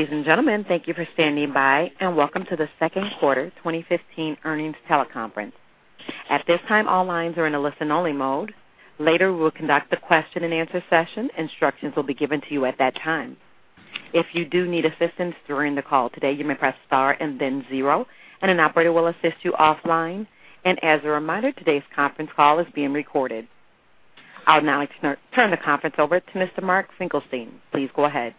Ladies and gentlemen, thank you for standing by, welcome to the second quarter 2015 earnings teleconference. At this time, all lines are in a listen-only mode. Later, we'll conduct a question-and-answer session. Instructions will be given to you at that time. If you do need assistance during the call today, you may press star and then zero, and an operator will assist you offline. As a reminder, today's conference call is being recorded. I would now like to turn the conference over to Mark Finkelstein. Please go ahead.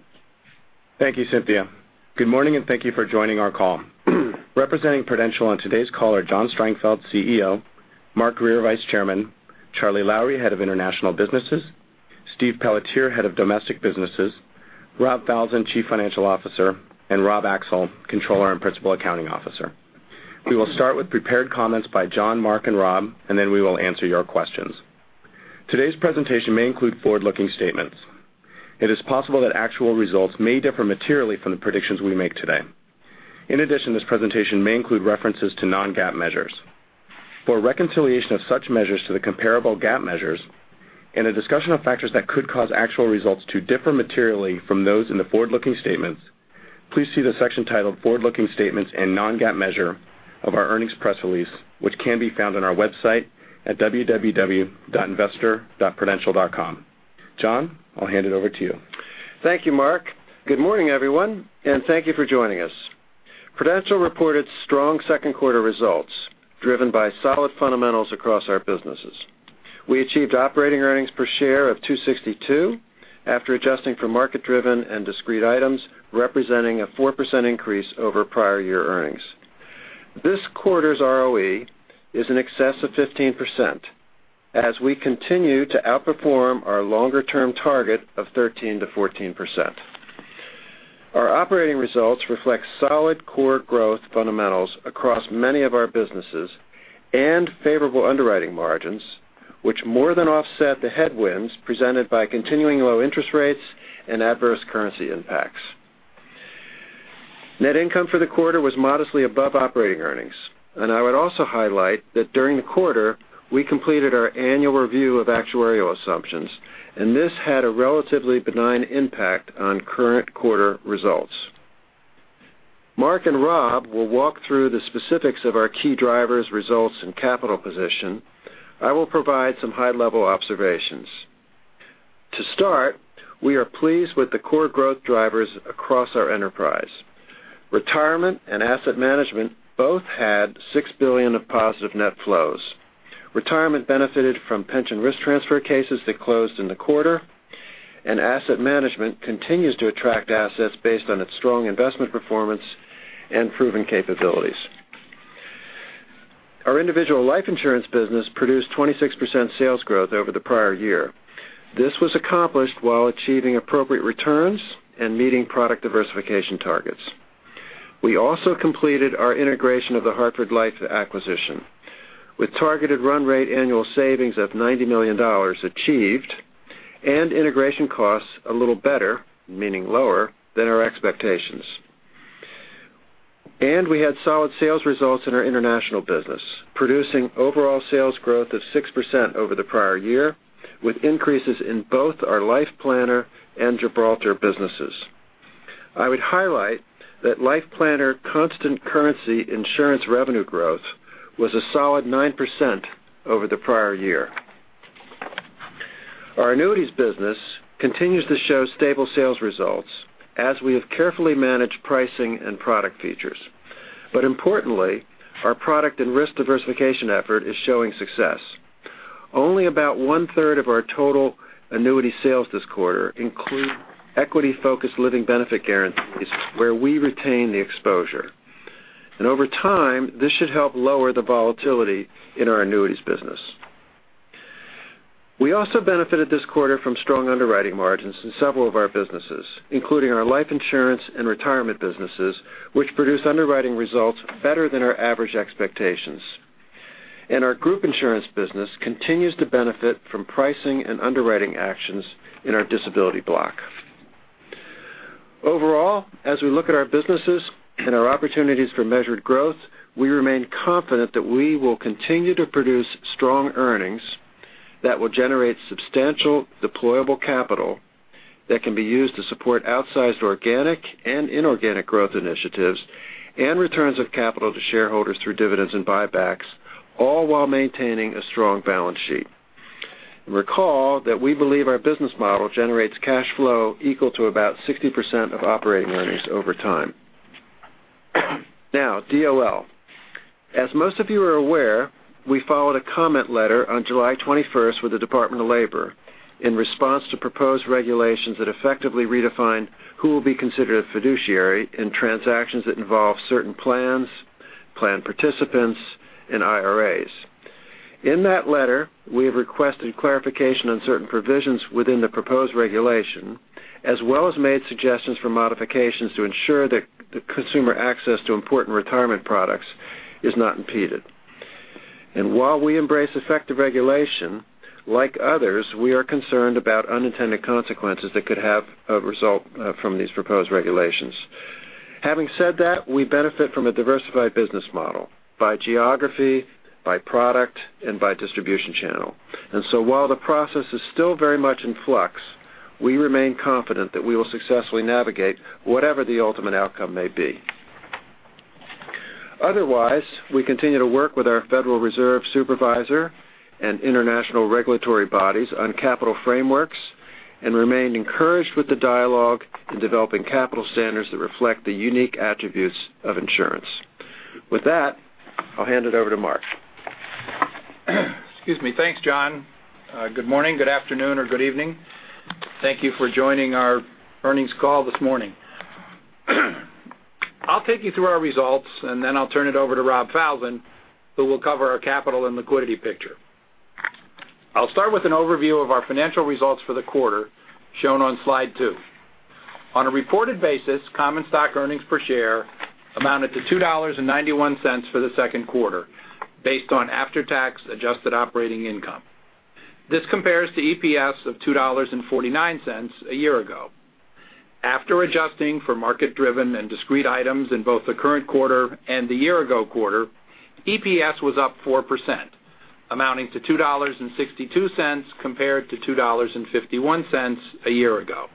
Thank you, Cynthia. Good morning, thank you for joining our call. Representing Prudential on today's call are John Strangfeld, CEO; Mark Grier, Vice Chairman; Charles Lowrey, Head of International Businesses; Stephen Pelletier, Head of Domestic Businesses; Robert Falzon, Chief Financial Officer; and Robert Axel, Controller and Principal Accounting Officer. We will start with prepared comments by John, Mark, and Rob, then we will answer your questions. Today's presentation may include forward-looking statements. It is possible that actual results may differ materially from the predictions we make today. In addition, this presentation may include references to non-GAAP measures. For a reconciliation of such measures to the comparable GAAP measures, a discussion of factors that could cause actual results to differ materially from those in the forward-looking statements, please see the section titled "Forward-Looking Statements and Non-GAAP Measure" of our earnings press release, which can be found on our website at www.investor.prudential.com. John, I'll hand it over to you. Thank you, Mark. Good morning, everyone, thank you for joining us. Prudential reported strong second quarter results driven by solid fundamentals across our businesses. We achieved operating earnings per share of $2.62 after adjusting for market-driven and discrete items, representing a 4% increase over prior year earnings. This quarter's ROE is in excess of 15% as we continue to outperform our longer-term target of 13%-14%. Our operating results reflect solid core growth fundamentals across many of our businesses and favorable underwriting margins, which more than offset the headwinds presented by continuing low interest rates and adverse currency impacts. Net income for the quarter was modestly above operating earnings. I would also highlight that during the quarter, we completed our annual review of actuarial assumptions, this had a relatively benign impact on current quarter results. Mark and Rob will walk through the specifics of our key drivers results and capital position. I will provide some high-level observations. To start, we are pleased with the core growth drivers across our enterprise. Retirement and asset management both had $6 billion of positive net flows. Retirement benefited from pension risk transfer cases that closed in the quarter, and asset management continues to attract assets based on its strong investment performance and proven capabilities. Our individual life insurance business produced 26% sales growth over the prior year. This was accomplished while achieving appropriate returns and meeting product diversification targets. We also completed our integration of the Hartford Life acquisition with targeted run rate annual savings of $90 million achieved and integration costs a little better, meaning lower, than our expectations. We had solid sales results in our international business, producing overall sales growth of 6% over the prior year, with increases in both our Life Planner and Gibraltar businesses. I would highlight that Life Planner constant currency insurance revenue growth was a solid 9% over the prior year. Our annuities business continues to show stable sales results as we have carefully managed pricing and product features. Importantly, our product and risk diversification effort is showing success. Only about one-third of our total annuity sales this quarter include equity-focused living benefit guarantees where we retain the exposure. Over time, this should help lower the volatility in our annuities business. We also benefited this quarter from strong underwriting margins in several of our businesses, including our life insurance and retirement businesses, which produced underwriting results better than our average expectations. Our group insurance business continues to benefit from pricing and underwriting actions in our disability block. Overall, as we look at our businesses and our opportunities for measured growth, we remain confident that we will continue to produce strong earnings that will generate substantial deployable capital that can be used to support outsized organic and inorganic growth initiatives and returns of capital to shareholders through dividends and buybacks, all while maintaining a strong balance sheet. Recall that we believe our business model generates cash flow equal to about 60% of operating earnings over time. Now, DOL. As most of you are aware, we filed a comment letter on July 21st with the Department of Labor in response to proposed regulations that effectively redefine who will be considered a fiduciary in transactions that involve certain plans, plan participants, and IRAs. In that letter, we have requested clarification on certain provisions within the proposed regulation, as well as made suggestions for modifications to ensure that consumer access to important retirement products is not impeded. While we embrace effective regulation, like others, we are concerned about unintended consequences that could have a result from these proposed regulations. Having said that, we benefit from a diversified business model by geography, by product, and by distribution channel. So while the process is still very much in flux, we remain confident that we will successfully navigate whatever the ultimate outcome may be. Otherwise, we continue to work with our Federal Reserve supervisor and international regulatory bodies on capital frameworks, and remain encouraged with the dialogue in developing capital standards that reflect the unique attributes of insurance. With that, I'll hand it over to Mark. Excuse me. Thanks, John. Good morning, good afternoon, or good evening. Thank you for joining our earnings call this morning. I'll take you through our results, then I'll turn it over to Rob Falzon, who will cover our capital and liquidity picture. I'll start with an overview of our financial results for the quarter, shown on slide two. On a reported basis, common stock earnings per share amounted to $2.91 for the second quarter, based on after-tax adjusted operating income. This compares to EPS of $2.49 a year ago. After adjusting for market-driven and discrete items in both the current quarter and the year-ago quarter, EPS was up 4%, amounting to $2.62 compared to $2.51 a year ago.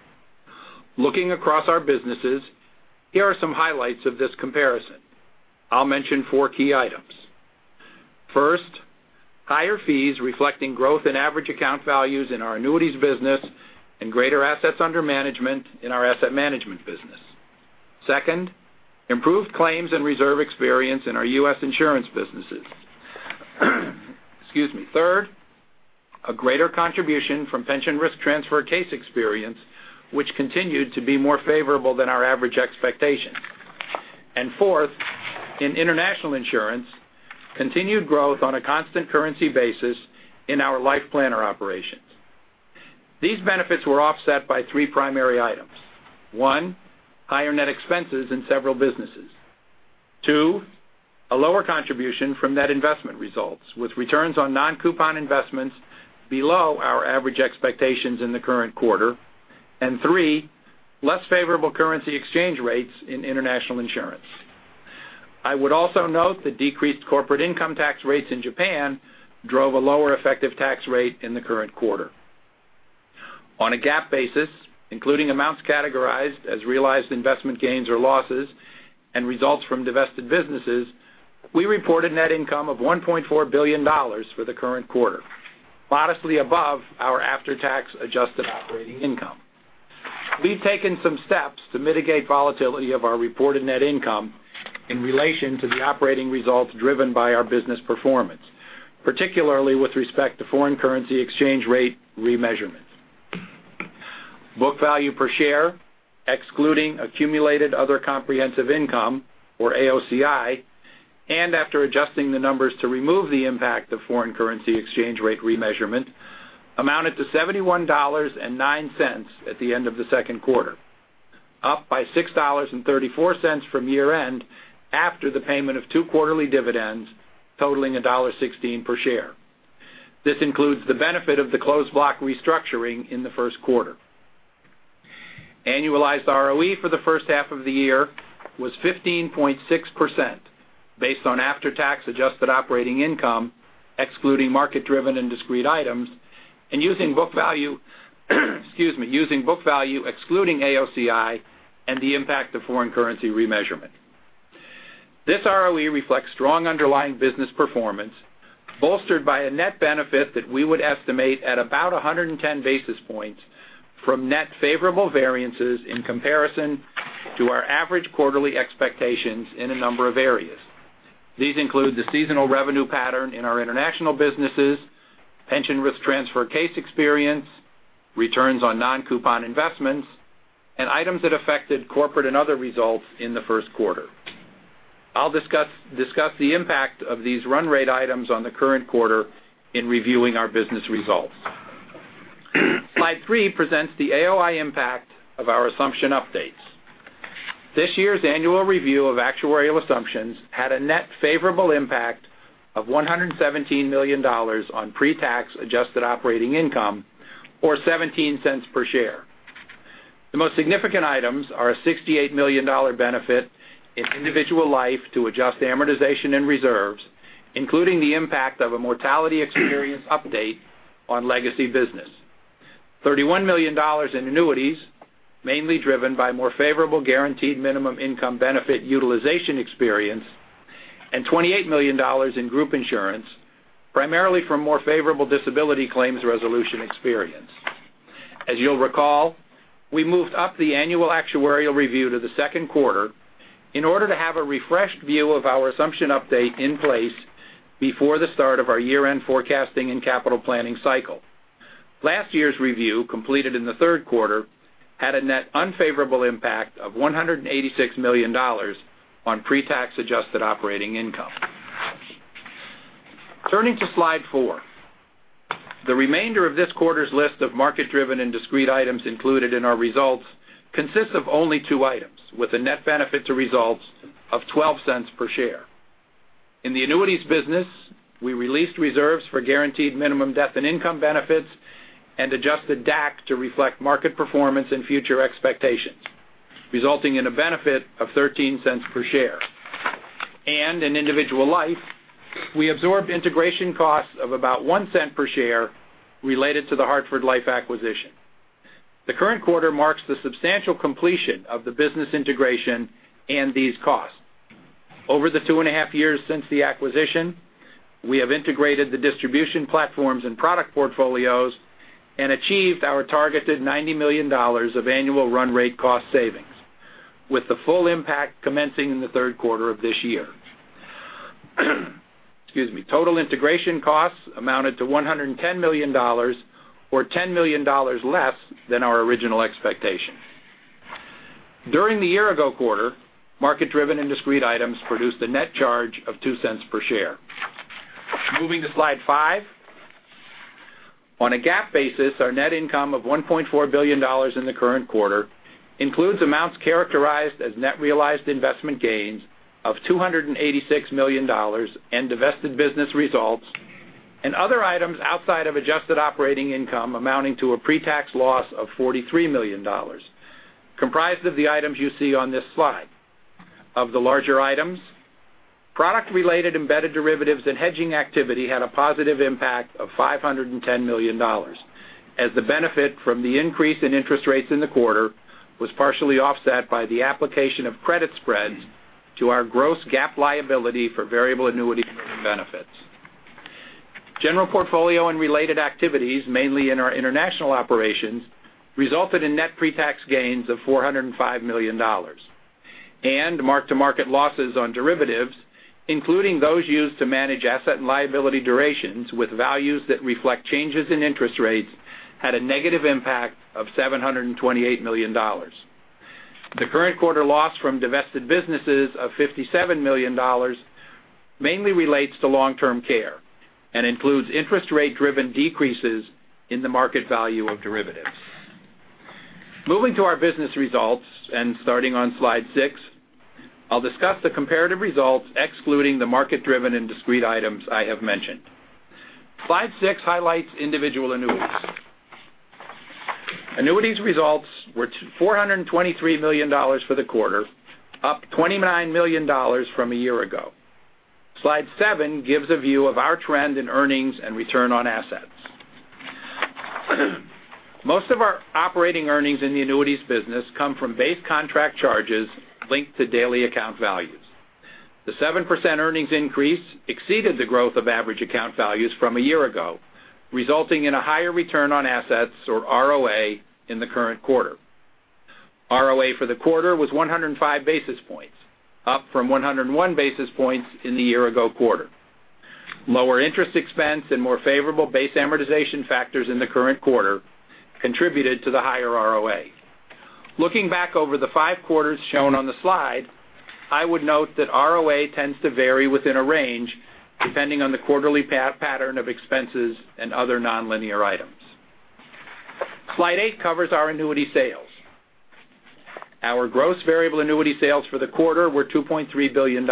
Looking across our businesses, here are some highlights of this comparison. I'll mention four key items. First, higher fees reflecting growth in average account values in our annuities business and greater assets under management in our asset management business. Second, improved claims and reserve experience in our U.S. insurance businesses. Excuse me. Third, a greater contribution from pension risk transfer case experience, which continued to be more favorable than our average expectation. Fourth, in international insurance, continued growth on a constant currency basis in our LifePlanner operations. These benefits were offset by three primary items. One, higher net expenses in several businesses. Two, a lower contribution from net investment results, with returns on non-coupon investments below our average expectations in the current quarter. Three, less favorable currency exchange rates in international insurance. I would also note the decreased corporate income tax rates in Japan drove a lower effective tax rate in the current quarter. On a GAAP basis, including amounts categorized as realized investment gains or losses and results from divested businesses, we reported net income of $1.4 billion for the current quarter, modestly above our after-tax adjusted operating income. We've taken some steps to mitigate volatility of our reported net income in relation to the operating results driven by our business performance, particularly with respect to foreign currency exchange rate remeasurement. Book value per share, excluding accumulated other comprehensive income, or AOCI, and after adjusting the numbers to remove the impact of foreign currency exchange rate remeasurement, amounted to $71.09 at the end of the second quarter, up by $6.34 from year-end, after the payment of two quarterly dividends totaling $1.16 per share. This includes the benefit of the Closed Block restructuring in the first quarter. Annualized ROE for the first half of the year was 15.6%, based on after-tax adjusted operating income, excluding market-driven and discrete items, using book value excluding AOCI and the impact of foreign currency remeasurement. This ROE reflects strong underlying business performance, bolstered by a net benefit that we would estimate at about 110 basis points from net favorable variances in comparison to our average quarterly expectations in a number of areas. These include the seasonal revenue pattern in our international businesses, pension risk transfer case experience, returns on non-coupon investments, and items that affected corporate and other results in the first quarter. I'll discuss the impact of these run rate items on the current quarter in reviewing our business results. Slide three presents the AOI impact of our assumption updates. This year's annual review of actuarial assumptions had a net favorable impact of $117 million on pre-tax adjusted operating income, or $0.17 per share. The most significant items are a $68 million benefit in individual life to adjust amortization and reserves, including the impact of a mortality experience update on legacy business. $31 million in annuities, mainly driven by more favorable guaranteed minimum income benefit utilization experience, and $28 million in group insurance, primarily from more favorable disability claims resolution experience. As you'll recall, we moved up the annual actuarial review to the second quarter in order to have a refreshed view of our assumption update in place before the start of our year-end forecasting and capital planning cycle. Last year's review, completed in the third quarter, had a net unfavorable impact of $186 million on pre-tax adjusted operating income. Turning to slide four. The remainder of this quarter's list of market-driven and discrete items included in our results consists of only two items, with a net benefit to results of $0.12 per share. In the annuities business, we released reserves for guaranteed minimum death and income benefits and adjusted DAC to reflect market performance and future expectations, resulting in a benefit of $0.13 per share. In individual life, we absorbed integration costs of about $0.01 per share related to the Hartford Life acquisition. The current quarter marks the substantial completion of the business integration and these costs. Over the two and a half years since the acquisition, we have integrated the distribution platforms and product portfolios and achieved our targeted $90 million of annual run rate cost savings, with the full impact commencing in the third quarter of this year. Excuse me. Total integration costs amounted to $110 million, or $10 million less than our original expectation. During the year ago quarter, market-driven and discrete items produced a net charge of $0.02 per share. Moving to slide five. On a GAAP basis, our net income of $1.4 billion in the current quarter includes amounts characterized as net realized investment gains of $286 million and divested business results and other items outside of adjusted operating income amounting to a pre-tax loss of $43 million, comprised of the items you see on this slide. Of the larger items, product-related embedded derivatives and hedging activity had a positive impact of $510 million, as the benefit from the increase in interest rates in the quarter was partially offset by the application of credit spreads to our gross GAAP liability for variable annuity living benefits. General portfolio and related activities, mainly in our international operations, resulted in net pre-tax gains of $405 million. Mark-to-market losses on derivatives, including those used to manage asset and liability durations with values that reflect changes in interest rates, had a negative impact of $728 million. The current quarter loss from divested businesses of $57 million mainly relates to long-term care and includes interest rate-driven decreases in the market value of derivatives. Moving to our business results and starting on slide six, I'll discuss the comparative results excluding the market-driven and discrete items I have mentioned. Slide six highlights individual annuities. Annuities results were $423 million for the quarter, up $29 million from a year ago. Slide seven gives a view of our trend in earnings and return on assets. Most of our operating earnings in the annuities business come from base contract charges linked to daily account values. The 7% earnings increase exceeded the growth of average account values from a year ago, resulting in a higher return on assets, or ROA, in the current quarter. ROA for the quarter was 105 basis points, up from 101 basis points in the year-ago quarter. Lower interest expense and more favorable base amortization factors in the current quarter contributed to the higher ROA. Looking back over the five quarters shown on the slide, I would note that ROA tends to vary within a range, depending on the quarterly pattern of expenses and other nonlinear items. Slide eight covers our annuity sales. Our gross variable annuity sales for the quarter were $2.3 billion,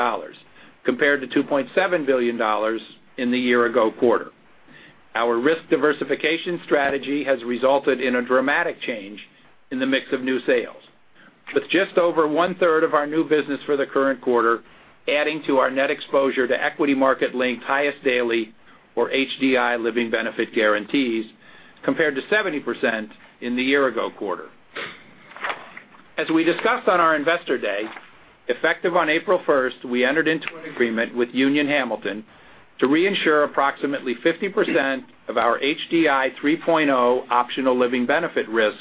compared to $2.7 billion in the year-ago quarter. Our risk diversification strategy has resulted in a dramatic change in the mix of new sales, with just over one-third of our new business for the current quarter adding to our net exposure to equity market-linked Highest Daily, or HDI, living benefit guarantees, compared to 70% in the year-ago quarter. As we discussed on our investor day, effective on April 1st, we entered into an agreement with Hamilton Re to reinsure approximately 50% of our HDI 3.0 optional living benefit risk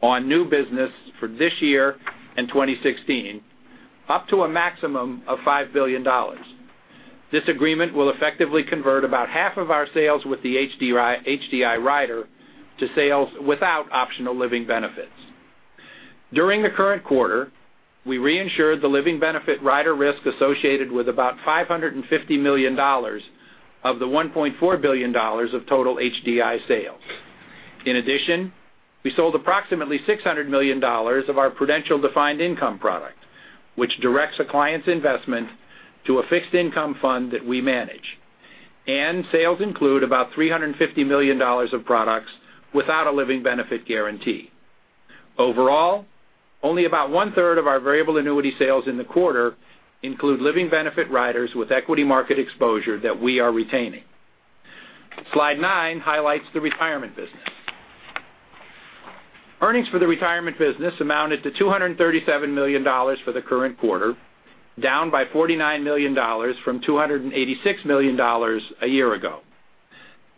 on new business for this year and 2016, up to a maximum of $5 billion. This agreement will effectively convert about half of our sales with the HDI rider to sales without optional living benefits. During the current quarter, we reinsured the living benefit rider risk associated with about $550 million of the $1.4 billion of total HDI sales. In addition, we sold approximately $600 million of our Prudential Defined Income product, which directs a client's investment to a fixed income fund that we manage. Sales include about $350 million of products without a living benefit guarantee. Overall, only about one-third of our variable annuity sales in the quarter include living benefit riders with equity market exposure that we are retaining. Slide nine highlights the retirement business. Earnings for the retirement business amounted to $237 million for the current quarter, down by $49 million from $286 million a year ago.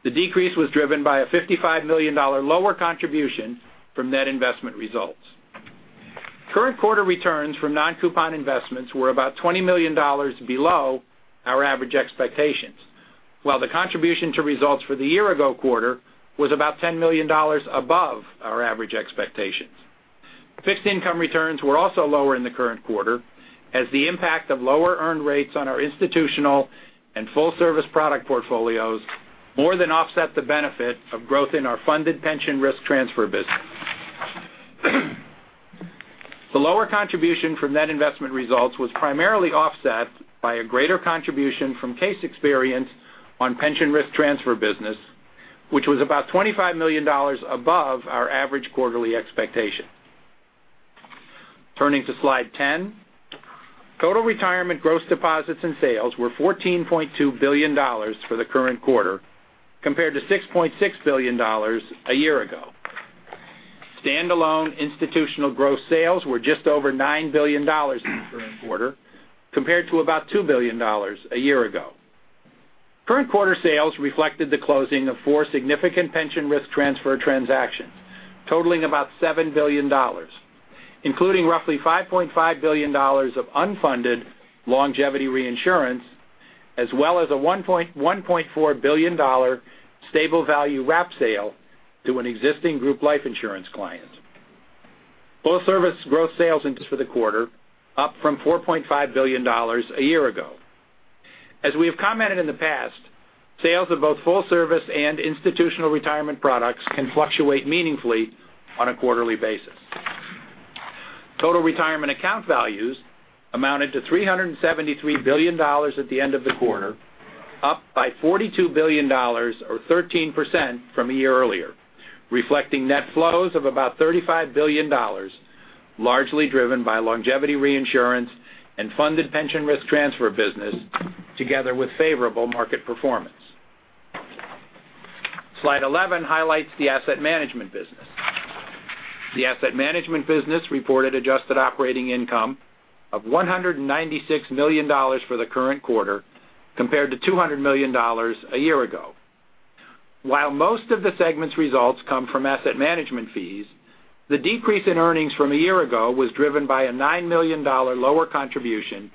The decrease was driven by a $55 million lower contribution from net investment results. Current quarter returns from non-coupon investments were about $20 million below our average expectations, while the contribution to results for the year-ago quarter was about $10 million above our average expectations. Fixed income returns were also lower in the current quarter, as the impact of lower earned rates on our institutional and full-service product portfolios more than offset the benefit of growth in our funded pension risk transfer business. The lower contribution from net investment results was primarily offset by a greater contribution from case experience on pension risk transfer business, which was about $25 million above our average quarterly expectation. Turning to slide 10, total retirement gross deposits and sales were $14.2 billion for the current quarter, compared to $6.6 billion a year ago. Standalone institutional gross sales were just over $9 billion in the current quarter, compared to about $2 billion a year ago. Current quarter sales reflected the closing of four significant pension risk transfer transactions totaling about $7 billion, including roughly $5.5 billion of unfunded longevity reinsurance, as well as a $1.4 billion stable value wrap sale to an existing group life insurance client. Full service gross sales increased for the quarter, up from $4.5 billion a year ago. As we have commented in the past, sales of both full service and institutional retirement products can fluctuate meaningfully on a quarterly basis. Total retirement account values amounted to $373 billion at the end of the quarter, up by $42 billion or 13% from a year earlier, reflecting net flows of about $35 billion, largely driven by longevity reinsurance and funded pension risk transfer business together with favorable market performance. Slide 11 highlights the asset management business. The asset management business reported adjusted operating income of $196 million for the current quarter, compared to $200 million a year ago. While most of the segment's results come from asset management fees, the decrease in earnings from a year ago was driven by a $9 million lower contribution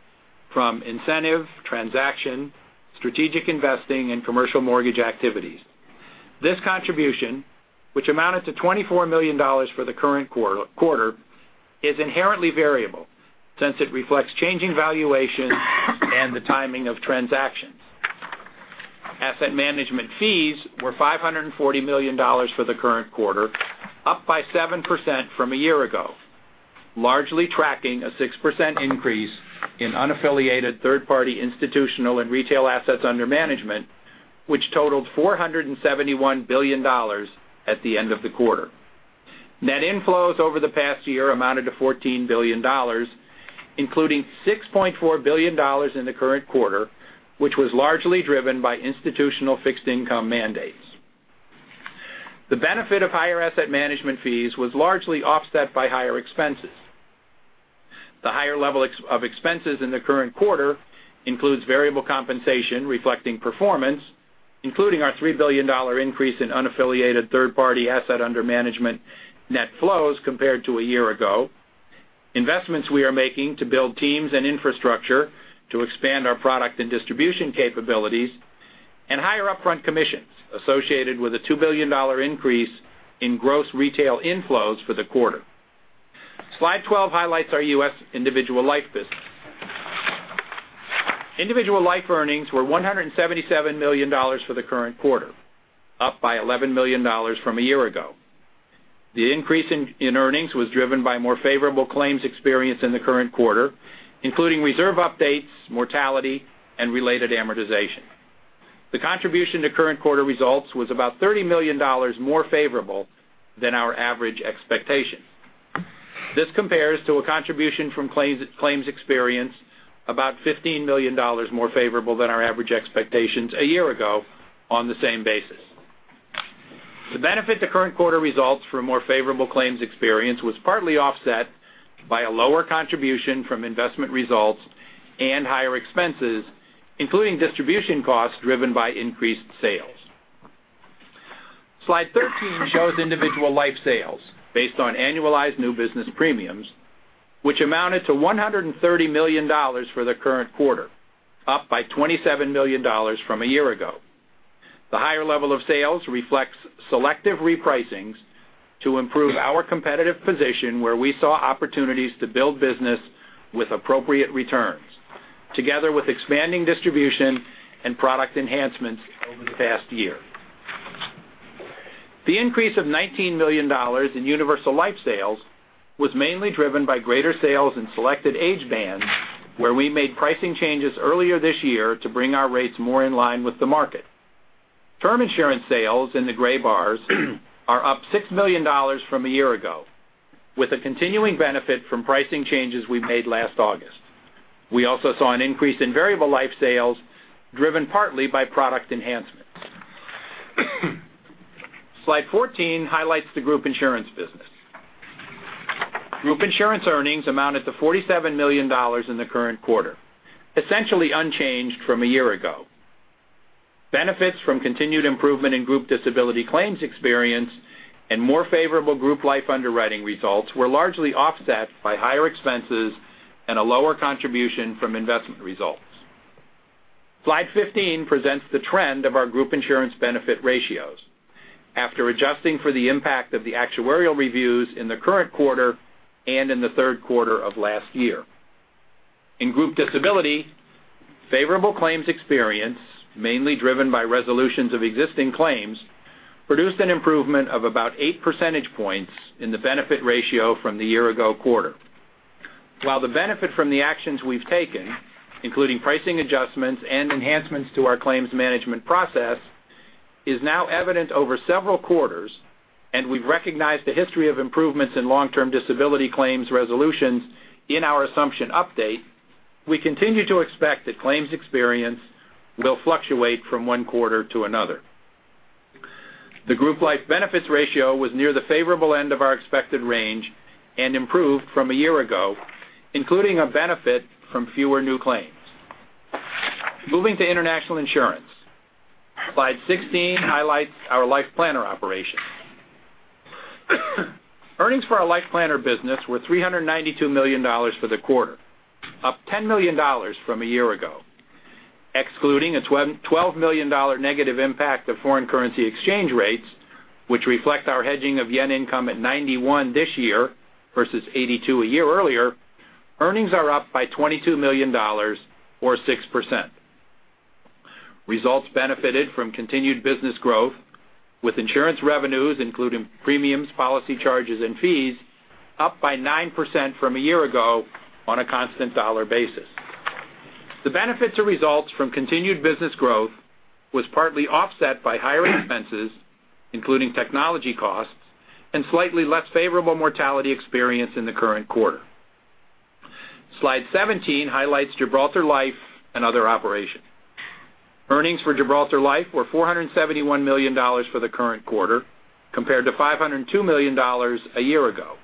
from incentive, transaction, strategic investing, and commercial mortgage activities. This contribution, which amounted to $24 million for the current quarter, is inherently variable, since it reflects changing valuations and the timing of transactions. Asset management fees were $540 million for the current quarter, up by 7% from a year ago, largely tracking a 6% increase in unaffiliated third-party institutional and retail assets under management, which totaled $471 billion at the end of the quarter. Net inflows over the past year amounted to $14 billion, including $6.4 billion in the current quarter, which was largely driven by institutional fixed income mandates. The benefit of higher asset management fees was largely offset by higher expenses. The higher level of expenses in the current quarter includes variable compensation reflecting performance, including our $3 billion increase in unaffiliated third-party asset under management net flows compared to a year ago, investments we are making to build teams and infrastructure to expand our product and distribution capabilities, and higher upfront commissions associated with a $2 billion increase in gross retail inflows for the quarter. Slide 12 highlights our U.S. Individual Life business. Individual Life earnings were $177 million for the current quarter, up by $11 million from a year ago. The increase in earnings was driven by more favorable claims experience in the current quarter, including reserve updates, mortality, and related amortization. The contribution to current quarter results was about $30 million more favorable than our average expectation. This compares to a contribution from claims experience about $15 million more favorable than our average expectations a year ago on the same basis. The benefit to current quarter results for a more favorable claims experience was partly offset by a lower contribution from investment results and higher expenses, including distribution costs driven by increased sales. Slide 13 shows Individual Life sales based on annualized new business premiums, which amounted to $130 million for the current quarter, up by $27 million from a year ago. The higher level of sales reflects selective repricings to improve our competitive position where we saw opportunities to build business with appropriate returns, together with expanding distribution and product enhancements over the past year. The increase of $19 million in Universal Life sales was mainly driven by greater sales in selected age bands where we made pricing changes earlier this year to bring our rates more in line with the market. Term insurance sales in the gray bars are up $6 million from a year ago, with a continuing benefit from pricing changes we made last August. We also saw an increase in Variable Life sales driven partly by product enhancements. Slide 14 highlights the Group Insurance business. Group Insurance earnings amounted to $47 million in the current quarter, essentially unchanged from a year ago. Benefits from continued improvement in group disability claims experience and more favorable Group Life underwriting results were largely offset by higher expenses and a lower contribution from investment results. Slide 15 presents the trend of our Group Insurance benefit ratios after adjusting for the impact of the actuarial reviews in the current quarter and in the third quarter of last year. In group disability, favorable claims experience, mainly driven by resolutions of existing claims, produced an an improvement of about eight percentage points in the benefit ratio from the year-ago quarter. While the benefit from the actions we've taken, including pricing adjustments and enhancements to our claims management process, is now evident over several quarters, and we've recognized the history of improvements in long-term disability claims resolutions in our assumption update, we continue to expect that claims experience will fluctuate from one quarter to another. The Group Life benefits ratio was near the favorable end of our expected range and improved from a year ago, including a benefit from fewer new claims. Moving to International Insurance. Slide 16 highlights our LifePlanner operations. Earnings for our LifePlanner business were $392 million for the quarter, up $10 million from a year ago. Excluding a $12 million negative impact of foreign currency exchange rates, which reflect our hedging of JPY income at 91 this year versus 82 a year earlier, earnings are up by $22 million, or 6%. Results benefited from continued business growth with insurance revenues, including premiums, policy charges, and fees, up by 9% from a year ago on a constant dollar basis. The benefits of results from continued business growth was partly offset by higher expenses, including technology costs and slightly less favorable mortality experience in the current quarter. Slide 17 highlights Gibraltar Life and other operations. Earnings for Gibraltar Life were $471 million for the current quarter, compared to $502 million a year ago.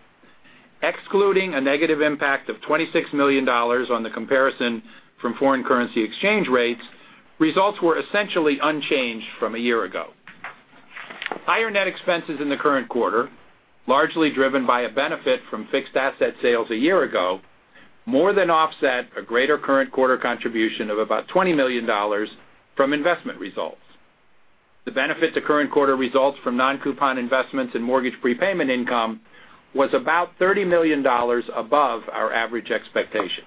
Excluding a negative impact of $26 million on the comparison from foreign currency exchange rates, results were essentially unchanged from a year ago. Higher net expenses in the current quarter, largely driven by a benefit from fixed asset sales a year ago, more than offset a greater current quarter contribution of about $20 million from investment results. The benefit to current quarter results from non-coupon investments and mortgage prepayment income was about $30 million above our average expectation.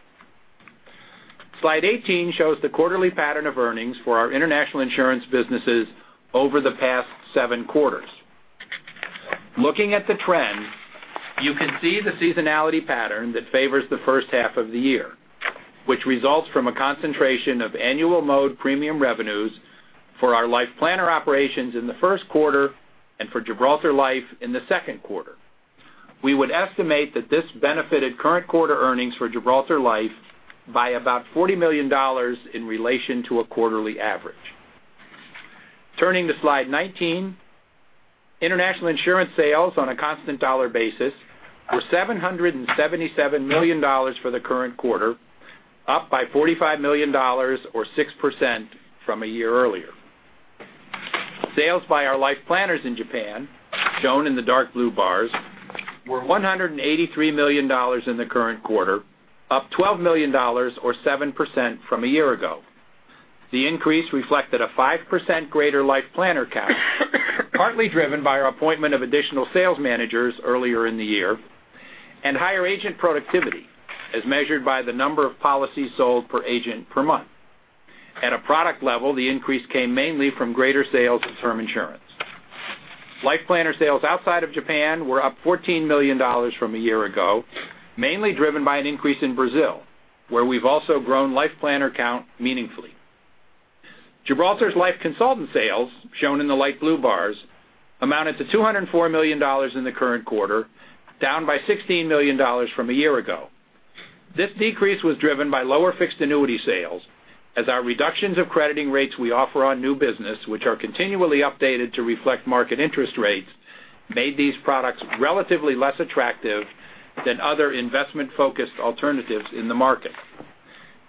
Slide 18 shows the quarterly pattern of earnings for our International Insurance businesses over the past seven quarters. Looking at the trend, you can see the seasonality pattern that favors the first half of the year, which results from a concentration of annual mode premium revenues for our LifePlanner operations in the first quarter and for Gibraltar Life in the second quarter. We would estimate that this benefited current quarter earnings for Gibraltar Life by about $40 million in relation to a quarterly average. Turning to slide 19. International insurance sales on a constant dollar basis were $777 million for the current quarter, up by $45 million or 6% from a year earlier. Sales by our LifePlanners in Japan, shown in the dark blue bars, were $183 million in the current quarter, up $12 million or 7% from a year ago. The increase reflected a 5% greater LifePlanner count, partly driven by our appointment of additional sales managers earlier in the year, and higher agent productivity as measured by the number of policies sold per agent per month. At a product level, the increase came mainly from greater sales of term insurance. LifePlanner sales outside of Japan were up $14 million from a year ago, mainly driven by an increase in Brazil, where we've also grown LifePlanner count meaningfully. Gibraltar's Life Consultant sales, shown in the light blue bars, amounted to $204 million in the current quarter, down by $16 million from a year ago. This decrease was driven by lower fixed annuity sales as our reductions of crediting rates we offer on new business, which are continually updated to reflect market interest rates, made these products relatively less attractive than other investment-focused alternatives in the market.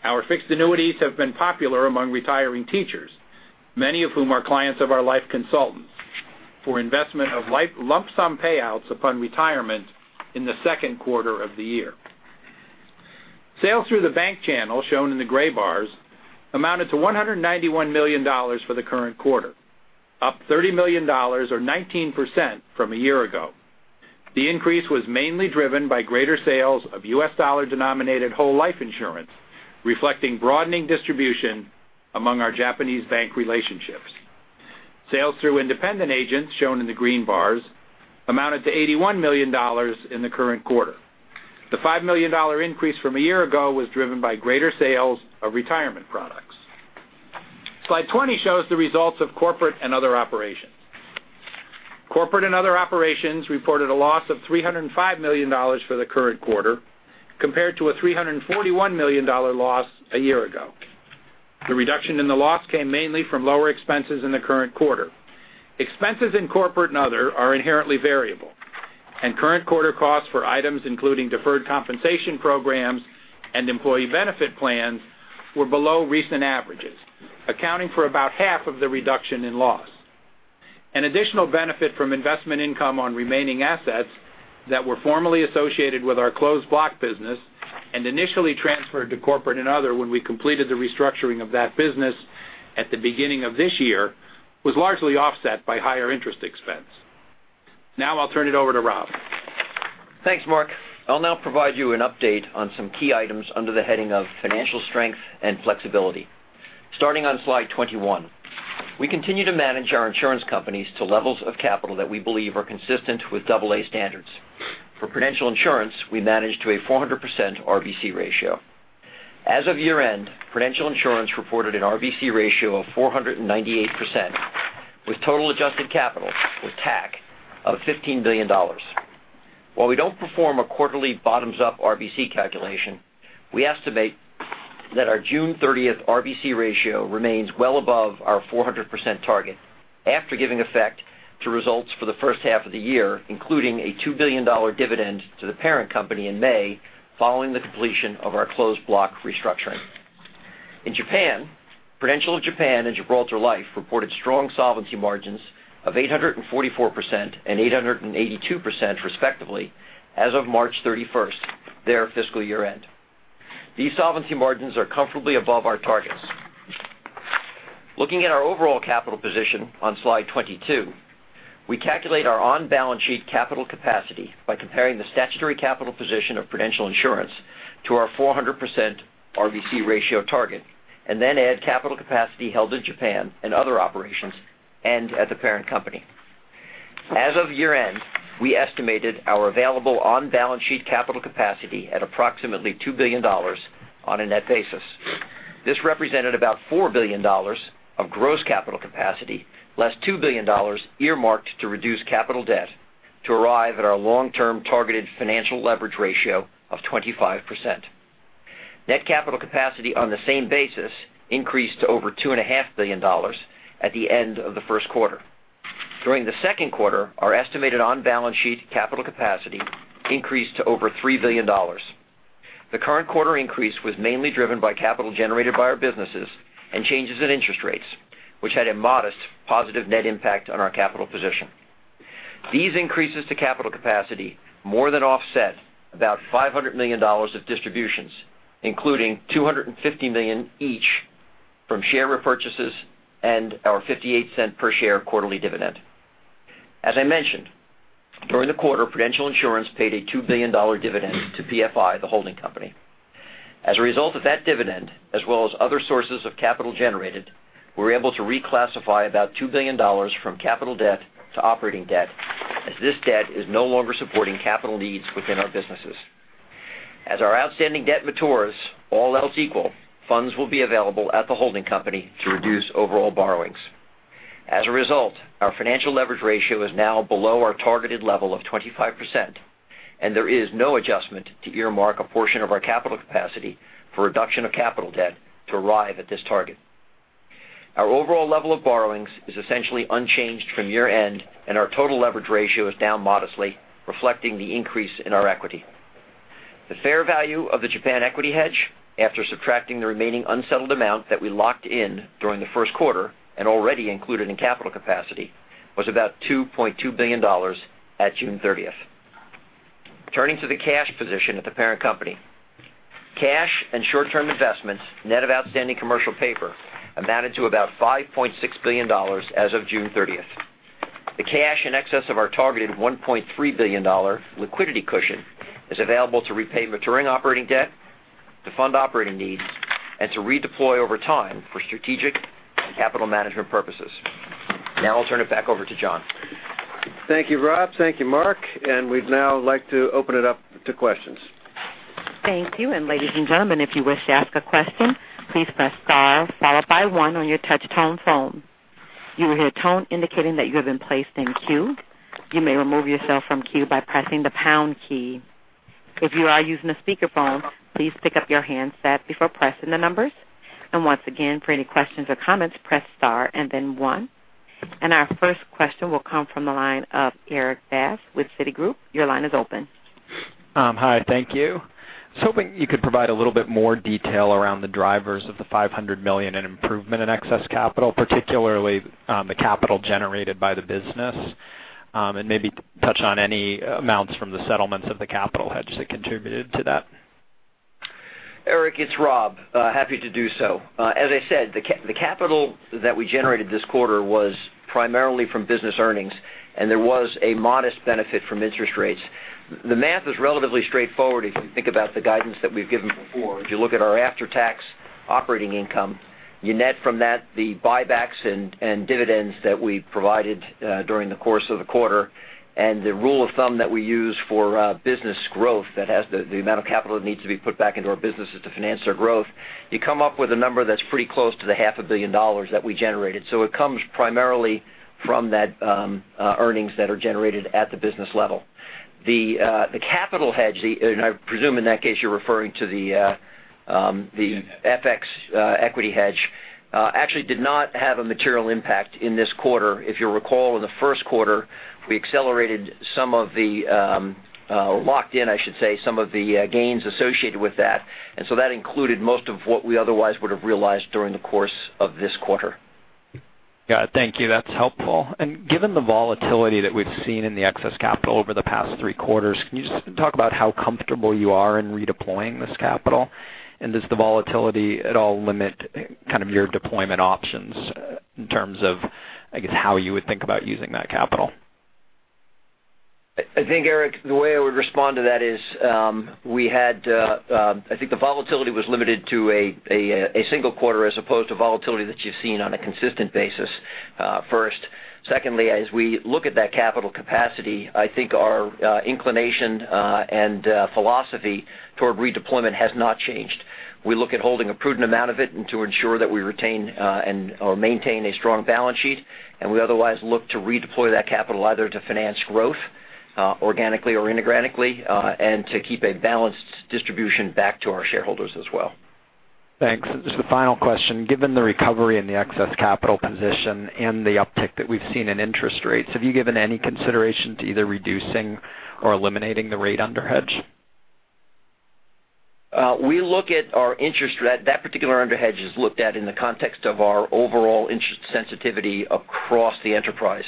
Our fixed annuities have been popular among retiring teachers, many of whom are clients of our Life Consultants, for investment of lump sum payouts upon retirement in the second quarter of the year. Sales through the bank channel, shown in the gray bars, amounted to $191 million for the current quarter, up $30 million or 19% from a year ago. The increase was mainly driven by greater sales of U.S. dollar-denominated whole life insurance, reflecting broadening distribution among our Japanese bank relationships. Sales through independent agents, shown in the green bars, amounted to $81 million in the current quarter. The $5 million increase from a year ago was driven by greater sales of retirement products. Slide 20 shows the results of Corporate and Other Operations. Corporate and Other Operations reported a loss of $305 million for the current quarter, compared to a $341 million loss a year ago. The reduction in the loss came mainly from lower expenses in the current quarter. Expenses in Corporate and Other are inherently variable, and current quarter costs for items including deferred compensation programs and employee benefit plans were below recent averages, accounting for about half of the reduction in loss. An additional benefit from investment income on remaining assets that were formerly associated with our Closed Block business and initially transferred to Corporate and Other when we completed the restructuring of that business at the beginning of this year, was largely offset by higher interest expense. Now I'll turn it over to Rob. Thanks, Mark. I'll now provide you an update on some key items under the heading of financial strength and flexibility. Starting on slide 21. We continue to manage our insurance companies to levels of capital that we believe are consistent with double A standards. For Prudential Insurance, we manage to a 400% RBC ratio. As of year-end, Prudential Insurance reported an RBC ratio of 498%, with total adjusted capital, with TAC, of $15 billion. While we don't perform a quarterly bottoms-up RBC calculation, we estimate that our June 30th RBC ratio remains well above our 400% target after giving effect to results for the first half of the year, including a $2 billion dividend to the parent company in May, following the completion of our Closed Block restructuring. In Japan, Prudential of Japan and Gibraltar Life reported strong solvency margins of 844% and 882% respectively as of March 31st, their fiscal year-end. These solvency margins are comfortably above our targets. Looking at our overall capital position on Slide 22, we calculate our on-balance sheet capital capacity by comparing the statutory capital position of Prudential Insurance to our 400% RBC ratio target, and then add capital capacity held in Japan and other operations and at the parent company. As of year-end, we estimated our available on-balance sheet capital capacity at approximately $2 billion on a net basis. This represented about $4 billion of gross capital capacity, less $2 billion earmarked to reduce capital debt to arrive at our long-term targeted financial leverage ratio of 25%. Net capital capacity on the same basis increased to over $2.5 billion at the end of the first quarter. During the second quarter, our estimated on-balance sheet capital capacity increased to over $3 billion. The current quarter increase was mainly driven by capital generated by our businesses and changes in interest rates, which had a modest positive net impact on our capital position. These increases to capital capacity more than offset about $500 million of distributions, including $250 million each from share repurchases and our $0.58 per share quarterly dividend. As I mentioned, during the quarter, Prudential Insurance paid a $2 billion dividend to PFI, the holding company. As a result of that dividend, as well as other sources of capital generated, we were able to reclassify about $2 billion from capital debt to operating debt, as this debt is no longer supporting capital needs within our businesses. As our outstanding debt matures, all else equal, funds will be available at the holding company to reduce overall borrowings. As a result, our financial leverage ratio is now below our targeted level of 25%, there is no adjustment to earmark a portion of our capital capacity for reduction of capital debt to arrive at this target. Our overall level of borrowings is essentially unchanged from year-end, and our total leverage ratio is down modestly, reflecting the increase in our equity. The fair value of the Japan equity hedge, after subtracting the remaining unsettled amount that we locked in during the first quarter and already included in capital capacity, was about $2.2 billion at June 30th. Turning to the cash position at the parent company. Cash and short-term investments, net of outstanding commercial paper, amounted to about $5.6 billion as of June 30th. The cash in excess of our targeted $1.3 billion liquidity cushion is available to repay maturing operating debt, to fund operating needs, and to redeploy over time for strategic and capital management purposes. I'll turn it back over to John. Thank you, Rob. Thank you, Mark. We'd now like to open it up to questions. Thank you. Ladies and gentlemen, if you wish to ask a question, please press star followed by one on your touch tone phone. You will hear a tone indicating that you have been placed in queue. You may remove yourself from queue by pressing the pound key. If you are using a speakerphone, please pick up your handset before pressing the numbers. Once again, for any questions or comments, press star and then one. Our first question will come from the line of Erik Bass with Citigroup. Your line is open. Hi, thank you. I was hoping you could provide a little bit more detail around the drivers of the $500 million in improvement in excess capital, particularly the capital generated by the business, and maybe touch on any amounts from the settlements of the capital hedge that contributed to that. Erik, it's Rob. Happy to do so. As I said, the capital that we generated this quarter was primarily from business earnings. There was a modest benefit from interest rates. The math is relatively straightforward if you think about the guidance that we've given before. If you look at our after-tax operating income, you net from that the buybacks and dividends that we provided during the course of the quarter. The rule of thumb that we use for business growth, the amount of capital that needs to be put back into our businesses to finance their growth, you come up with a number that's pretty close to the half a billion dollars that we generated. It comes primarily from that earnings that are generated at the business level. The capital hedge, I presume in that case you're referring to the FX equity hedge, actually did not have a material impact in this quarter. If you'll recall, in the first quarter, we accelerated some of the, locked in, I should say, some of the gains associated with that. That included most of what we otherwise would have realized during the course of this quarter. Yeah, thank you. That's helpful. Given the volatility that we've seen in the excess capital over the past three quarters, can you just talk about how comfortable you are in redeploying this capital? Does the volatility at all limit kind of your deployment options in terms of, I guess, how you would think about using that capital? I think, Erik, the way I would respond to that is, I think the volatility was limited to a single quarter as opposed to volatility that you've seen on a consistent basis, first. Secondly, as we look at that capital capacity, I think our inclination and philosophy toward redeployment has not changed. We look at holding a prudent amount of it to ensure that we retain or maintain a strong balance sheet, and we otherwise look to redeploy that capital either to finance growth organically or inorganically, and to keep a balanced distribution back to our shareholders as well. Thanks. Just a final question. Given the recovery in the excess capital position and the uptick that we've seen in interest rates, have you given any consideration to either reducing or eliminating the rate underhedge? That particular underhedge is looked at in the context of our overall interest sensitivity across the enterprise.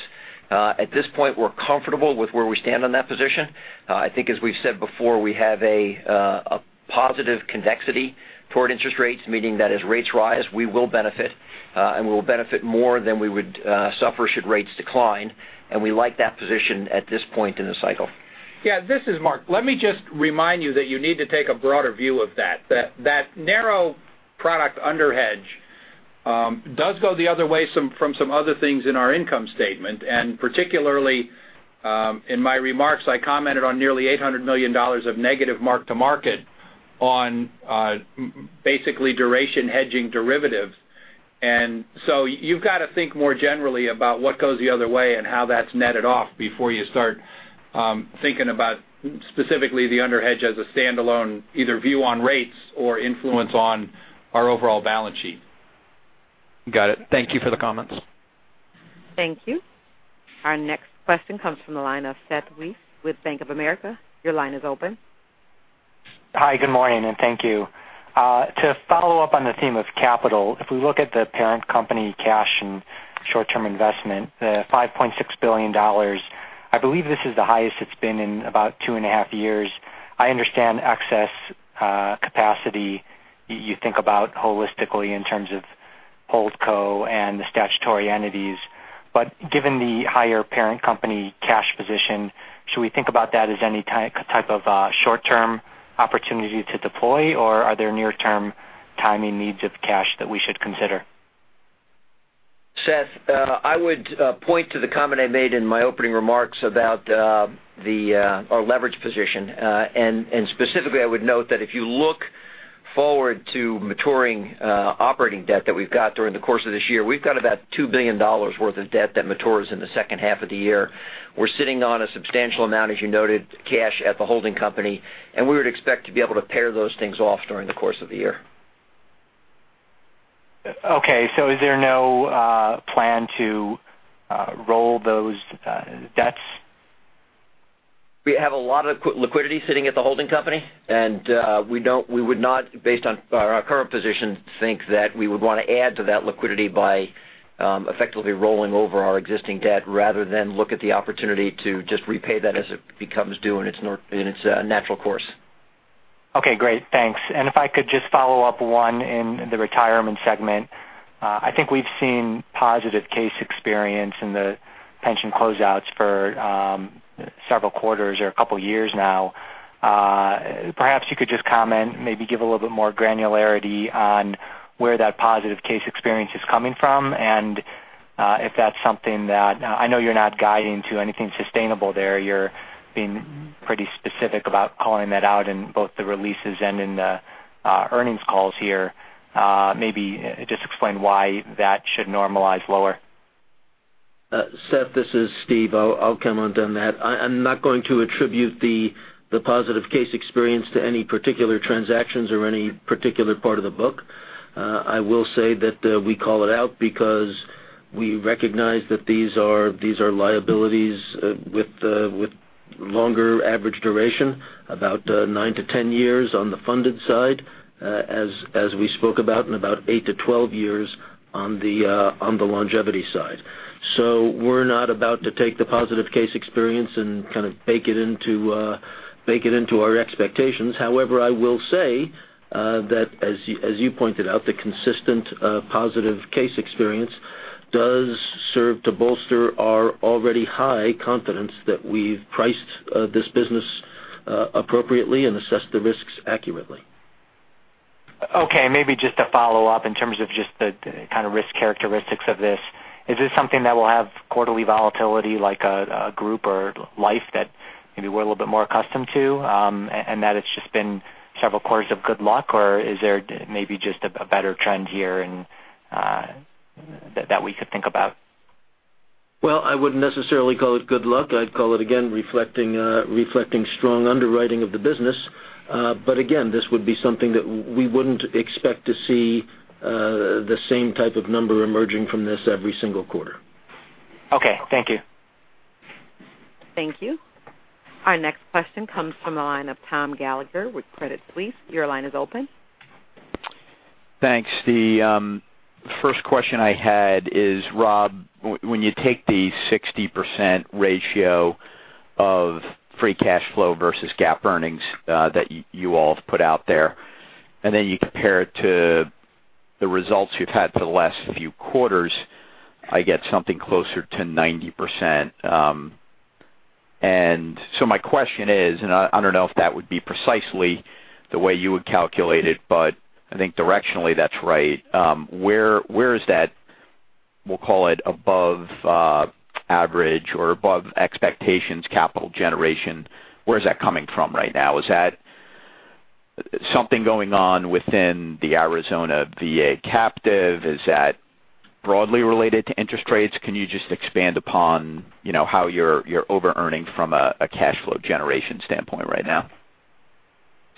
At this point, we're comfortable with where we stand on that position. I think as we've said before, we have a positive convexity toward interest rates, meaning that as rates rise, we will benefit, and we'll benefit more than we would suffer should rates decline. We like that position at this point in the cycle. This is Mark. Let me just remind you that you need to take a broader view of that. That narrow product underhedge does go the other way from some other things in our income statement, and particularly, in my remarks, I commented on nearly $800 million of negative mark to market on basically duration hedging derivatives. You've got to think more generally about what goes the other way and how that's netted off before you start thinking about specifically the underhedge as a standalone, either view on rates or influence on our overall balance sheet. Got it. Thank you for the comments. Thank you. Our next question comes from the line of Seth Weiss with Bank of America. Your line is open. Good morning, thank you. To follow up on the theme of capital, if we look at the parent company cash and short-term investment, the $5.6 billion, I believe this is the highest it's been in about two and a half years. I understand excess capacity you think about holistically in terms of Holdco and the statutory entities. Given the higher parent company cash position, should we think about that as any type of short-term opportunity to deploy, or are there near-term timing needs of cash that we should consider? Seth, I would point to the comment I made in my opening remarks about our leverage position. Specifically, I would note that if you look forward to maturing operating debt that we've got during the course of this year, we've got about $2 billion worth of debt that matures in the second half of the year. We're sitting on a substantial amount, as you noted, cash at the holding company, we would expect to be able to pair those things off during the course of the year. Okay. Is there no plan to roll those debts? We have a lot of liquidity sitting at the holding company, and we would not, based on our current position, think that we would want to add to that liquidity by effectively rolling over our existing debt rather than look at the opportunity to just repay that as it becomes due in its natural course. Okay, great. Thanks. If I could just follow up, one, in the retirement segment. I think we've seen positive case experience in the pension closeouts for several quarters or a couple of years now. Perhaps you could just comment, maybe give a little bit more granularity on where that positive case experience is coming from, and if that's something that, I know you're not guiding to anything sustainable there, you're being pretty specific about calling that out in both the releases and in the earnings calls here. Maybe just explain why that should normalize lower. Seth, this is Steve. I'll comment on that. I'm not going to attribute the positive case experience to any particular transactions or any particular part of the book. I will say that we call it out because we recognize that these are liabilities with longer average duration, about nine to 10 years on the funded side, as we spoke about, and about eight to 12 years on the longevity side. We're not about to take the positive case experience and kind of bake it into our expectations. However, I will say that as you pointed out, the consistent positive case experience does serve to bolster our already high confidence that we've priced this business appropriately and assessed the risks accurately. maybe just to follow up in terms of just the kind of risk characteristics of this. Is this something that will have quarterly volatility like a group or life that maybe we're a little bit more accustomed to, and that it's just been several quarters of good luck, or is there maybe just a better trend here that we could think about? I wouldn't necessarily call it good luck. I'd call it, again, reflecting strong underwriting of the business. again, this would be something that we wouldn't expect to see the same type of number emerging from this every single quarter. Thank you. Thank you. Our next question comes from the line of Thomas Gallagher with Credit Suisse. Your line is open. Thanks. The first question I had is, Rob, when you take the 60% ratio of free cash flow versus GAAP earnings that you all have put out there, then you compare it to the results you've had for the last few quarters, I get something closer to 90%. My question is, I don't know if that would be precisely the way you would calculate it, but I think directionally that's right. Where is that, we'll call it above average or above expectations capital generation, where is that coming from right now? Is that something going on within the Arizona VA captive? Is that broadly related to interest rates? Can you just expand upon how you're over-earning from a cash flow generation standpoint right now?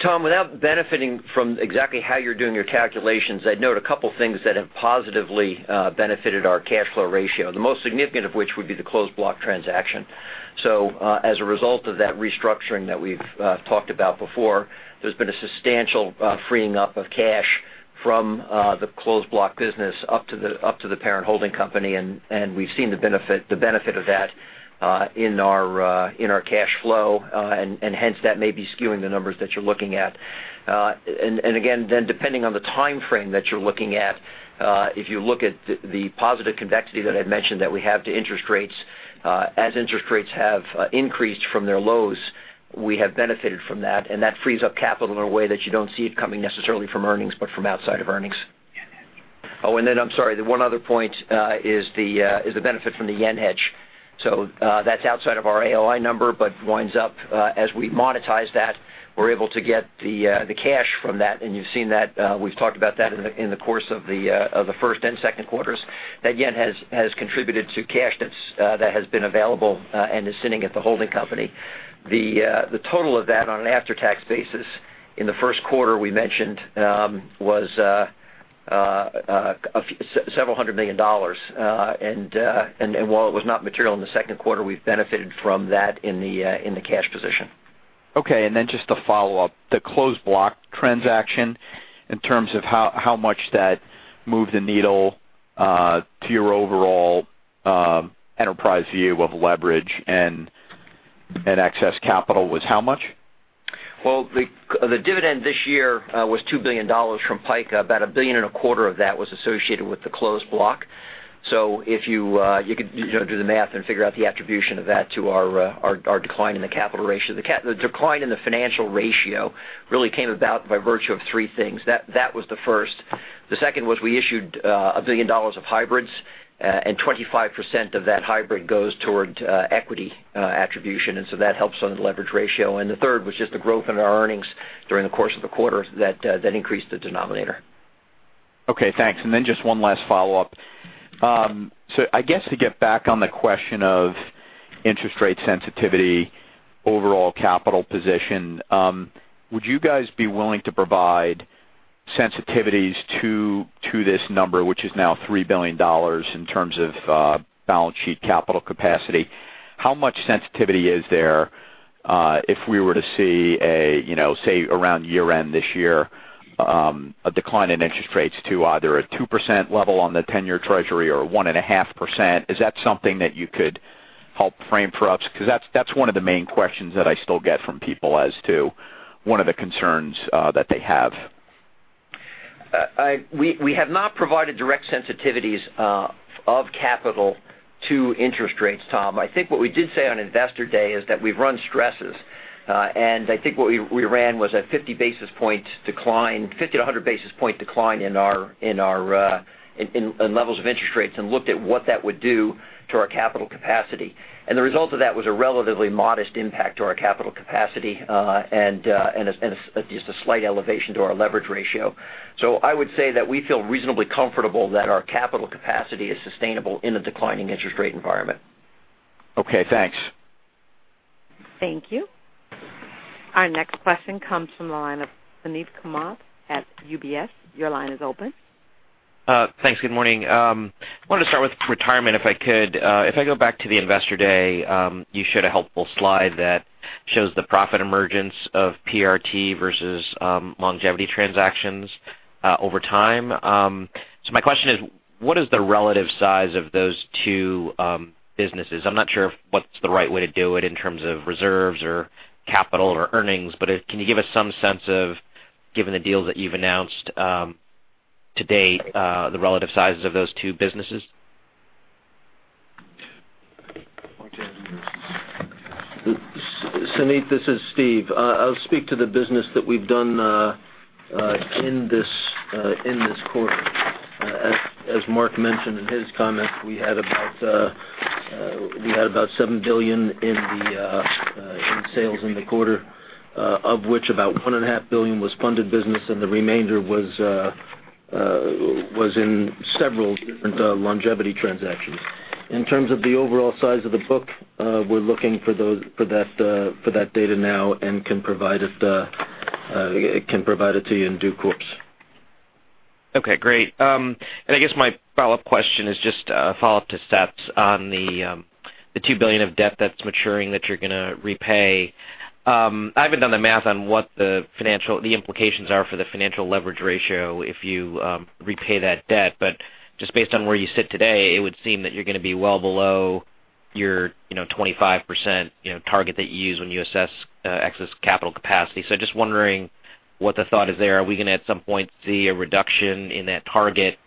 Tom, without benefiting from exactly how you're doing your calculations, I'd note a couple things that have positively benefited our cash flow ratio. The most significant of which would be the Closed Block transaction. As a result of that restructuring that we've talked about before, there's been a substantial freeing up of cash from the Closed Block business up to the parent holding company. We've seen the benefit of that in our cash flow. Hence, that may be skewing the numbers that you're looking at. Depending on the timeframe that you're looking at, if you look at the positive convexity that I'd mentioned that we have to interest rates, as interest rates have increased from their lows, we have benefited from that. That frees up capital in a way that you don't see it coming necessarily from earnings, but from outside of earnings. I'm sorry, the one other point is the benefit from the yen hedge. That's outside of our AOI number, but winds up as we monetize that, we're able to get the cash from that. You've seen that. We've talked about that in the course of the first and second quarters. That yen has contributed to cash that has been available and is sitting at the holding company. The total of that on an after-tax basis in the first quarter we mentioned was $ several hundred million. While it was not material in the second quarter, we've benefited from that in the cash position. Okay. Just to follow up, the Closed Block transaction in terms of how much that moved the needle to your overall enterprise view of leverage and excess capital was how much? The dividend this year was $2 billion from PICA. About $1.25 billion of that was associated with the Closed Block. If you could do the math and figure out the attribution of that to our decline in the capital ratio. The decline in the financial ratio really came about by virtue of three things. That was the first. The second was we issued $1 billion of hybrids, and 25% of that hybrid goes toward equity attribution. That helps on the leverage ratio. The third was just the growth in our earnings during the course of the quarter that increased the denominator. Okay, thanks. Just one last follow-up. I guess to get back on the question of interest rate sensitivity, overall capital position, would you guys be willing to provide sensitivities to this number, which is now $3 billion in terms of balance sheet capital capacity? How much sensitivity is there if we were to see, say around year-end this year, a decline in interest rates to either a 2% level on the 10-year treasury or 1.5%? Is that something that you could help frame for us? Because that's one of the main questions that I still get from people as to one of the concerns that they have. We have not provided direct sensitivities of capital to interest rates, Tom. I think what we did say on Investor Day is that we've run stresses. I think what we ran was a 50 to 100 basis point decline in levels of interest rates, and looked at what that would do to our capital capacity. The result of that was a relatively modest impact to our capital capacity, and just a slight elevation to our leverage ratio. I would say that we feel reasonably comfortable that our capital capacity is sustainable in a declining interest rate environment. Okay, thanks. Thank you. Our next question comes from the line of Suneet Kamath at UBS. Your line is open. Thanks. Good morning. I wanted to start with retirement, if I could. If I go back to the Investor Day, you showed a helpful slide that shows the profit emergence of PRT versus longevity transactions over time. My question is, what is the relative size of those two businesses? I'm not sure if what's the right way to do it in terms of reserves or capital or earnings, can you give us some sense of, given the deals that you've announced to date, the relative sizes of those two businesses? Suneet, this is Steve. I'll speak to the business that we've done in this quarter. As Mark mentioned in his comments, we had about $7 billion in sales in the quarter, of which about $1.5 billion was funded business, and the remainder was in several different longevity transactions. In terms of the overall size of the book, we're looking for that data now and can provide it to you in due course. Okay, great. I guess my follow-up question is just a follow-up to Seth's on the $2 billion of debt that's maturing that you're going to repay. I haven't done the math on what the implications are for the financial leverage ratio if you repay that debt. Just based on where you sit today, it would seem that you're going to be well below your 25% target that you use when you assess excess capital capacity. Just wondering what the thought is there. Are we going to at some point see a reduction in that target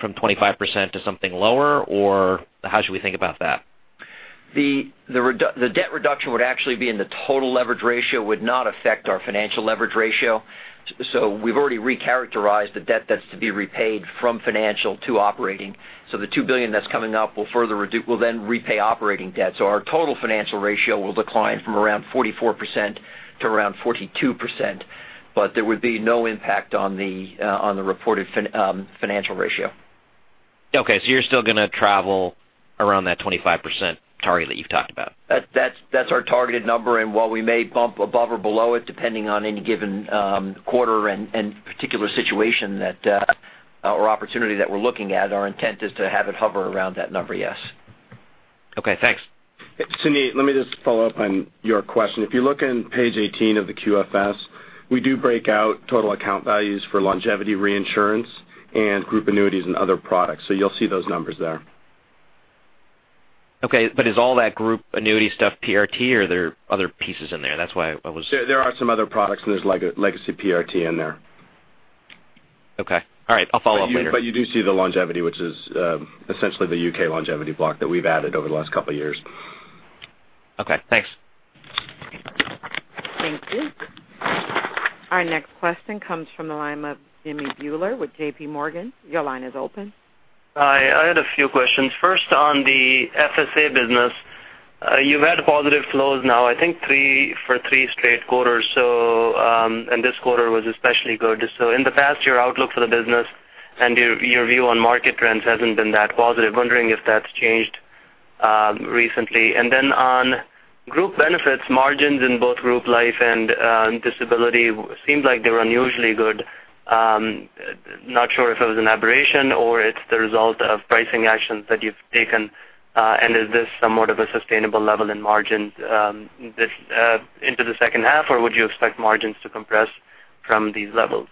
from 25% to something lower? How should we think about that? The debt reduction would actually be in the total leverage ratio, would not affect our financial leverage ratio. We've already recharacterized the debt that's to be repaid from financial to operating. The $2 billion that's coming up will then repay operating debt. Our total financial ratio will decline from around 44% to around 42%, but there would be no impact on the reported financial ratio. Okay. You're still going to travel around that 25% target that you've talked about? That's our targeted number, and while we may bump above or below it, depending on any given quarter and particular situation or opportunity that we're looking at, our intent is to have it hover around that number, yes. Okay, thanks. Suneet, let me just follow up on your question. If you look on page 18 of the QFS, we do break out total account values for longevity reinsurance and group annuities and other products. You'll see those numbers there. Okay. Is all that group annuity stuff PRT or there are other pieces in there? There are some other products, and there's legacy PRT in there. Okay. All right. I'll follow up later. You do see the longevity, which is essentially the U.K. longevity block that we've added over the last couple of years. Okay, thanks. Thank you. Our next question comes from the line of Jimmy Bhullar with J.P. Morgan. Your line is open. Hi, I had a few questions. First, on the FSA business, you've had positive flows now I think for three straight quarters, and this quarter was especially good. In the past, your outlook for the business and your view on market trends hasn't been that positive. I'm wondering if that's changed recently. On group benefits margins in both group life and disability, it seemed like they were unusually good. I'm not sure if it was an aberration or it's the result of pricing actions that you've taken. Is this somewhat of a sustainable level in margins into the second half, or would you expect margins to compress from these levels?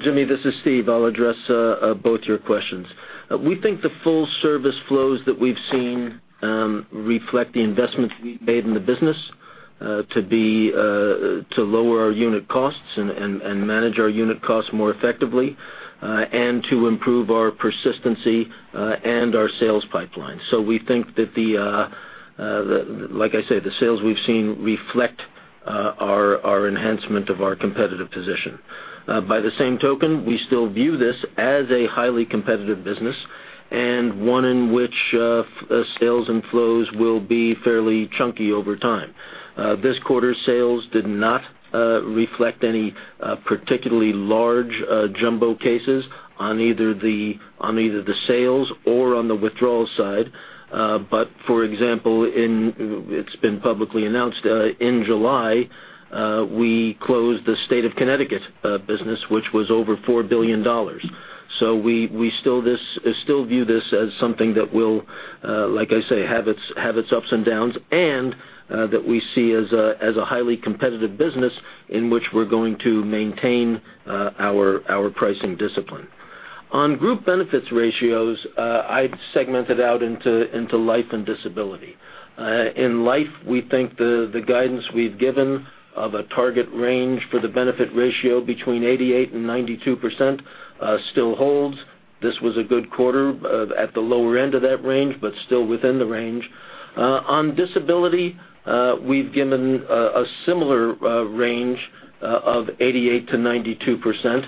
Jimmy, this is Steve. I'll address both your questions. We think the full service flows that we've seen reflect the investments we've made in the business to lower our unit costs and manage our unit costs more effectively, and to improve our persistency and our sales pipeline. We think that, like I said, the sales we've seen reflect our enhancement of our competitive position. By the same token, we still view this as a highly competitive business and one in which sales and flows will be fairly chunky over time. This quarter's sales did not reflect any particularly large jumbo cases on either the sales or on the withdrawal side. For example, it's been publicly announced, in July, we closed the State of Connecticut business, which was over $4 billion. We still view this as something that will, like I say, have its ups and downs and that we see as a highly competitive business in which we're going to maintain our pricing discipline. On group benefits ratios, I'd segment it out into life and disability. In life, we think the guidance we've given of a target range for the benefit ratio between 88%-92% still holds. This was a good quarter at the lower end of that range, but still within the range. On disability, we've given a similar range of 88%-92%.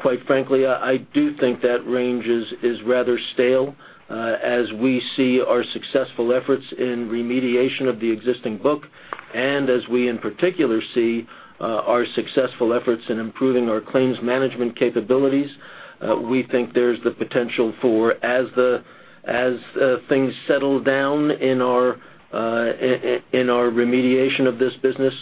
Quite frankly, I do think that range is rather stale. As we see our successful efforts in remediation of the existing book, as we in particular see our successful efforts in improving our claims management capabilities, we think there's the potential for, as things settle down in our remediation of this business,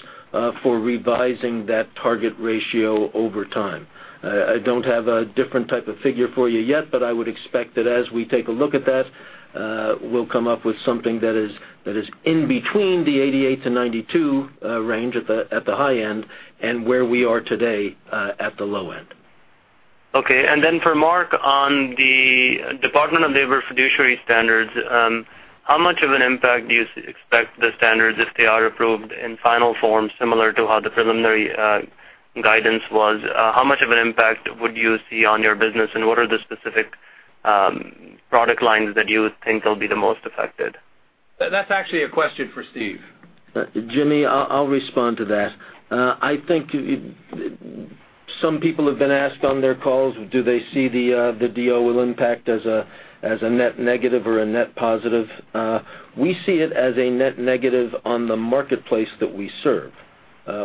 for revising that target ratio over time. I don't have a different type of figure for you yet, but I would expect that as we take a look at that, we'll come up with something that is in between the 88-92 range at the high end, and where we are today at the low end. Okay. Then for Mark, on the Department of Labor fiduciary standards, how much of an impact do you expect the standards, if they are approved in final form, similar to how the preliminary guidance was, how much of an impact would you see on your business, and what are the specific product lines that you think will be the most affected? That's actually a question for Steve. Jimmy, I'll respond to that. I think some people have been asked on their calls, do they see the DOL impact as a net negative or a net positive? We see it as a net negative on the marketplace that we serve.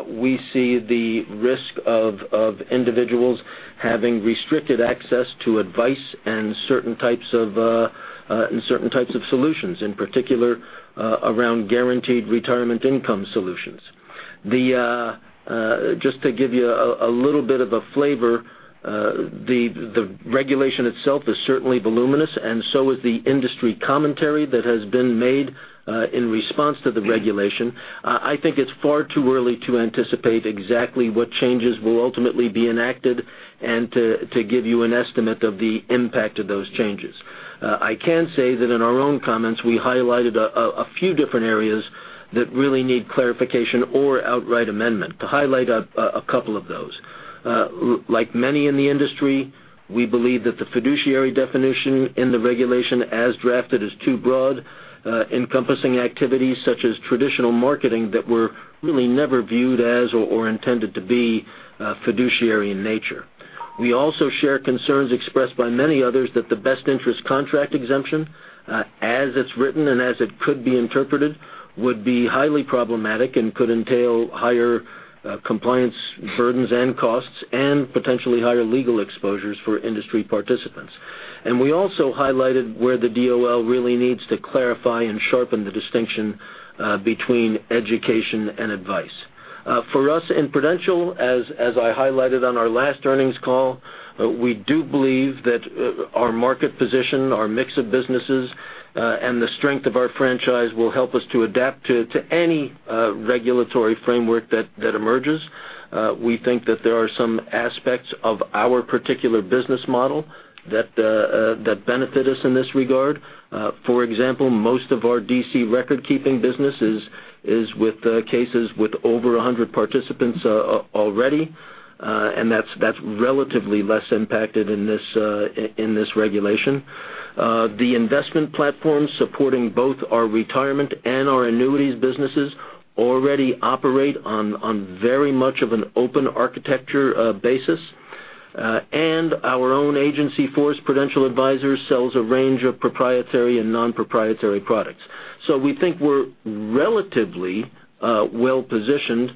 We see the risk of individuals having restricted access to advice and certain types of solutions, in particular around guaranteed retirement income solutions. Just to give you a little bit of a flavor, the regulation itself is certainly voluminous, so is the industry commentary that has been made in response to the regulation. I think it's far too early to anticipate exactly what changes will ultimately be enacted and to give you an estimate of the impact of those changes. I can say that in our own comments, we highlighted a few different areas That really need clarification or outright amendment. To highlight a couple of those. Like many in the industry, we believe that the fiduciary definition in the regulation as drafted is too broad, encompassing activities such as traditional marketing that were really never viewed as or intended to be fiduciary in nature. We also share concerns expressed by many others that the Best Interest Contract Exemption, as it's written and as it could be interpreted, would be highly problematic and could entail higher compliance burdens and costs, and potentially higher legal exposures for industry participants. We also highlighted where the DOL really needs to clarify and sharpen the distinction between education and advice. For us in Prudential, as I highlighted on our last earnings call, we do believe that our market position, our mix of businesses, and the strength of our franchise will help us to adapt to any regulatory framework that emerges. We think that there are some aspects of our particular business model that benefit us in this regard. For example, most of our DC record-keeping business is with cases with over 100 participants already, and that's relatively less impacted in this regulation. The investment platform supporting both our retirement and our annuities businesses already operate on very much of an open architecture basis. Our own agency force, Prudential Advisors, sells a range of proprietary and non-proprietary products. We think we're relatively well-positioned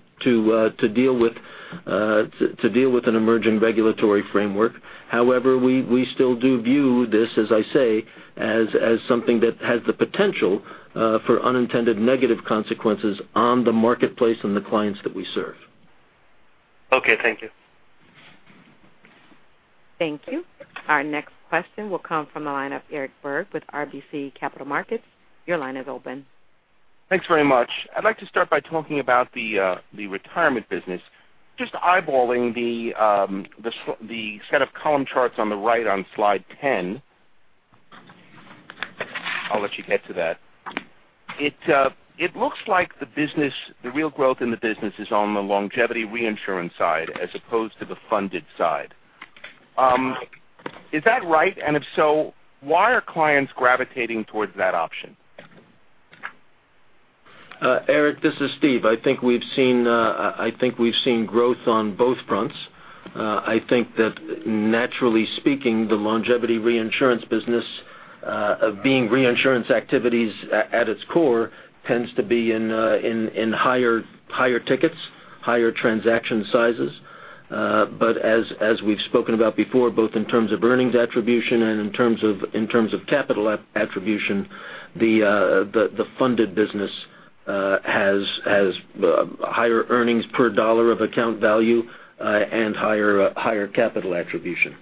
to deal with an emerging regulatory framework. However, we still do view this, as I say, as something that has the potential for unintended negative consequences on the marketplace and the clients that we serve. Okay, thank you. Thank you. Our next question will come from the line of Eric Berg with RBC Capital Markets. Your line is open. Thanks very much. I'd like to start by talking about the retirement business. Just eyeballing the set of column charts on the right on slide 10. I'll let you get to that. It looks like the real growth in the business is on the longevity reinsurance side as opposed to the funded side. Is that right? If so, why are clients gravitating towards that option? Eric, this is Steve. I think we've seen growth on both fronts. I think that naturally speaking, the longevity reinsurance business, being reinsurance activities at its core, tends to be in higher tickets, higher transaction sizes. As we've spoken about before, both in terms of earnings attribution and in terms of capital attribution, the funded business has higher earnings per dollar of account value and higher capital attribution.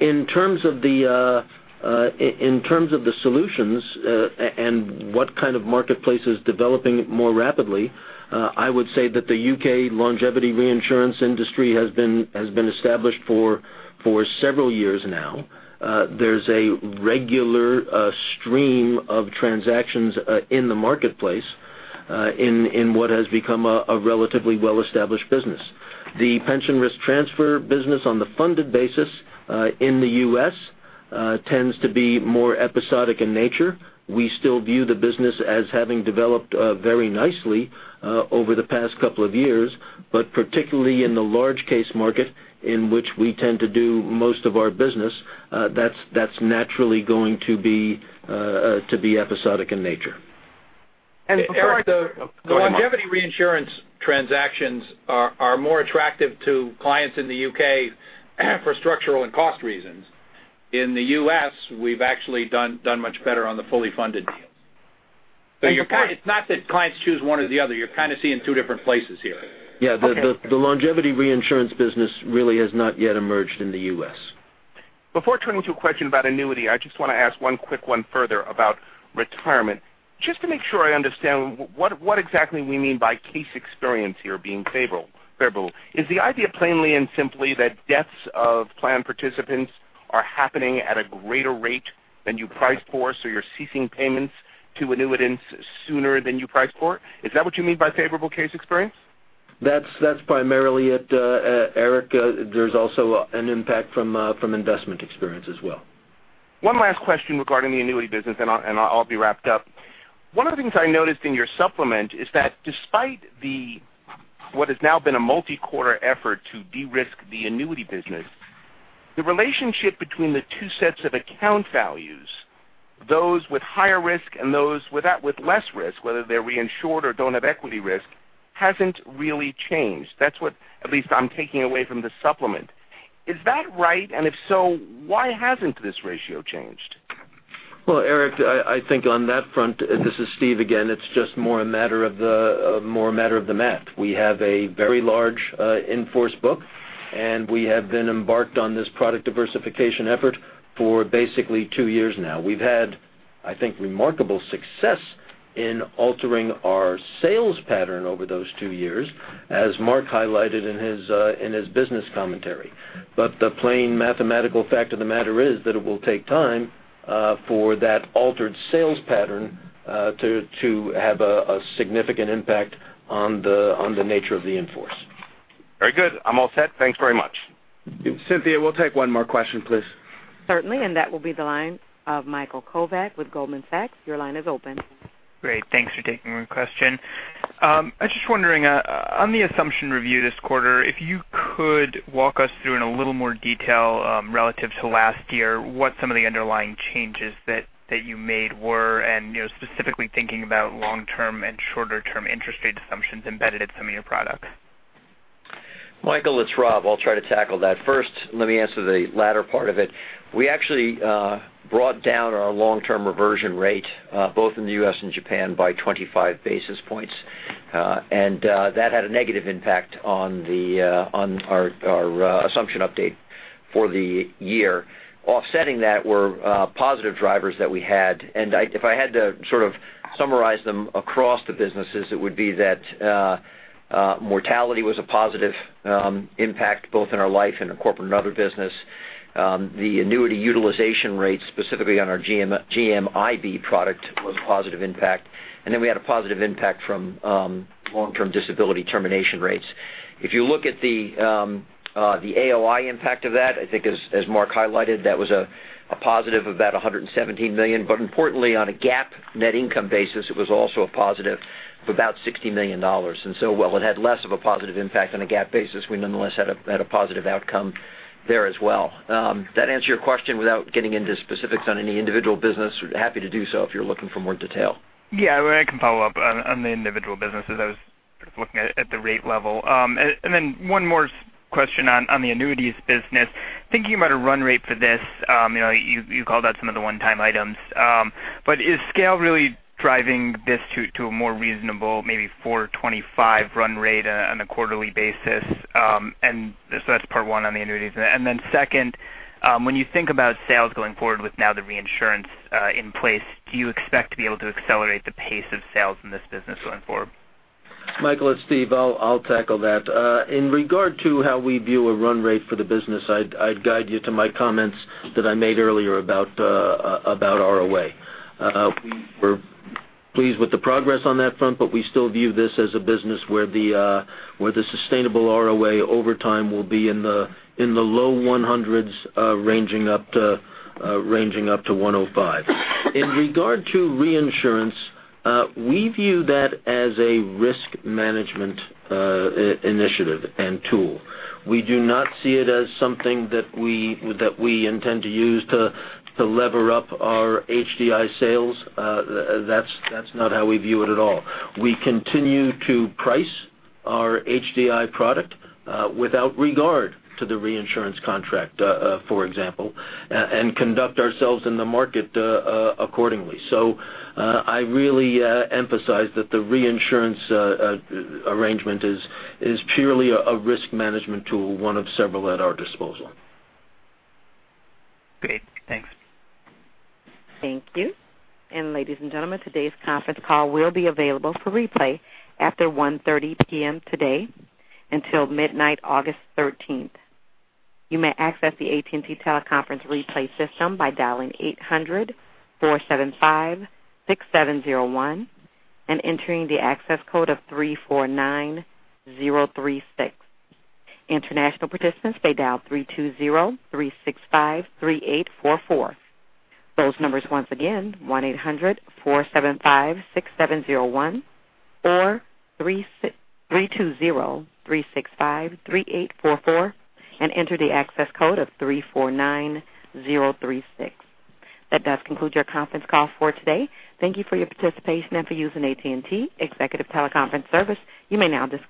In terms of the solutions and what kind of marketplace is developing more rapidly, I would say that the U.K. longevity reinsurance industry has been established for several years now. There's a regular stream of transactions in the marketplace in what has become a relatively well-established business. The pension risk transfer business on the funded basis in the U.S. tends to be more episodic in nature. We still view the business as having developed very nicely over the past couple of years, but particularly in the large case market in which we tend to do most of our business, that's naturally going to be episodic in nature. And- Eric. Go ahead, Mark The longevity reinsurance transactions are more attractive to clients in the U.K. for structural and cost reasons. In the U.S., we've actually done much better on the fully funded deals. It's not that clients choose one or the other. You're kind of seeing two different places here. Yeah. Okay. The longevity reinsurance business really has not yet emerged in the U.S. Before turning to a question about annuity, I just want to ask one quick one further about retirement. Just to make sure I understand, what exactly we mean by case experience here being favorable? Is the idea plainly and simply that deaths of plan participants are happening at a greater rate than you priced for, so you're ceasing payments to annuitants sooner than you priced for? Is that what you mean by favorable case experience? That's primarily it, Eric. There's also an impact from investment experience as well. One last question regarding the annuity business. I'll be wrapped up. One of the things I noticed in your supplement is that despite what has now been a multi-quarter effort to de-risk the annuity business, the relationship between the two sets of account values, those with higher risk and those with less risk, whether they're reinsured or don't have equity risk, hasn't really changed. That's what at least I'm taking away from the supplement. Is that right? If so, why hasn't this ratio changed? Well, Eric, I think on that front, this is Steve again, it's just more a matter of the math. We have a very large in-force book. We have been embarked on this product diversification effort for basically two years now. We've had, I think, remarkable success in altering our sales pattern over those two years, as Mark highlighted in his business commentary. The plain mathematical fact of the matter is that it will take time For that altered sales pattern to have a significant impact on the nature of the in-force. Very good. I'm all set. Thanks very much. Cynthia, we'll take one more question, please. Certainly, that will be the line of Michael Kovac with Goldman Sachs. Your line is open. Great. Thanks for taking my question. I was just wondering, on the assumption review this quarter, if you could walk us through in a little more detail, relative to last year, what some of the underlying changes that you made were and specifically thinking about long-term and shorter-term interest rate assumptions embedded in some of your products. Michael, it's Rob. I'll try to tackle that. First, let me answer the latter part of it. We actually brought down our long-term reversion rate, both in the U.S. and Japan by 25 basis points. That had a negative impact on our assumption update for the year. Offsetting that were positive drivers that we had, and if I had to sort of summarize them across the businesses, it would be that mortality was a positive impact both in our life and our corporate and other business. The annuity utilization rate, specifically on our GMIB product, was a positive impact. Then we had a positive impact from long-term disability termination rates. If you look at the AOI impact of that, I think as Mark highlighted, that was a positive of about $117 million. Importantly, on a GAAP net income basis, it was also a positive of about $60 million. While it had less of a positive impact on a GAAP basis, we nonetheless had a positive outcome there as well. Does that answer your question without getting into specifics on any individual business? We'd be happy to do so if you're looking for more detail. Yeah. I can follow up on the individual businesses. I was looking at the rate level. Then one more question on the annuities business, thinking about a run rate for this, you called out some of the one-time items. Is scale really driving this to a more reasonable, maybe $425 run rate on a quarterly basis? That's part one on the annuities. Then second, when you think about sales going forward with now the reinsurance in place, do you expect to be able to accelerate the pace of sales in this business going forward? Michael, it's Steve. I'll tackle that. In regard to how we view a run rate for the business, I'd guide you to my comments that I made earlier about ROA. We're pleased with the progress on that front, but we still view this as a business where the sustainable ROA over time will be in the low 100s, ranging up to 105. In regard to reinsurance, we view that as a risk management initiative and tool. We do not see it as something that we intend to use to lever up our HDI sales. That's not how we view it at all. We continue to price our HDI product without regard to the reinsurance contract, for example, and conduct ourselves in the market accordingly. I really emphasize that the reinsurance arrangement is purely a risk management tool, one of several at our disposal. Great. Thanks. Thank you. Ladies and gentlemen, today's conference call will be available for replay after 1:30 P.M. today until midnight August 13th. You may access the AT&T teleconference replay system by dialing 800-475-6701 and entering the access code of 349036. International participants may dial 320-365-3844. Those numbers once again, 1-800-475-6701 or 320-365-3844, and enter the access code of 349036. That does conclude your conference call for today. Thank you for your participation and for using AT&T Executive Teleconference Service. You may now disconnect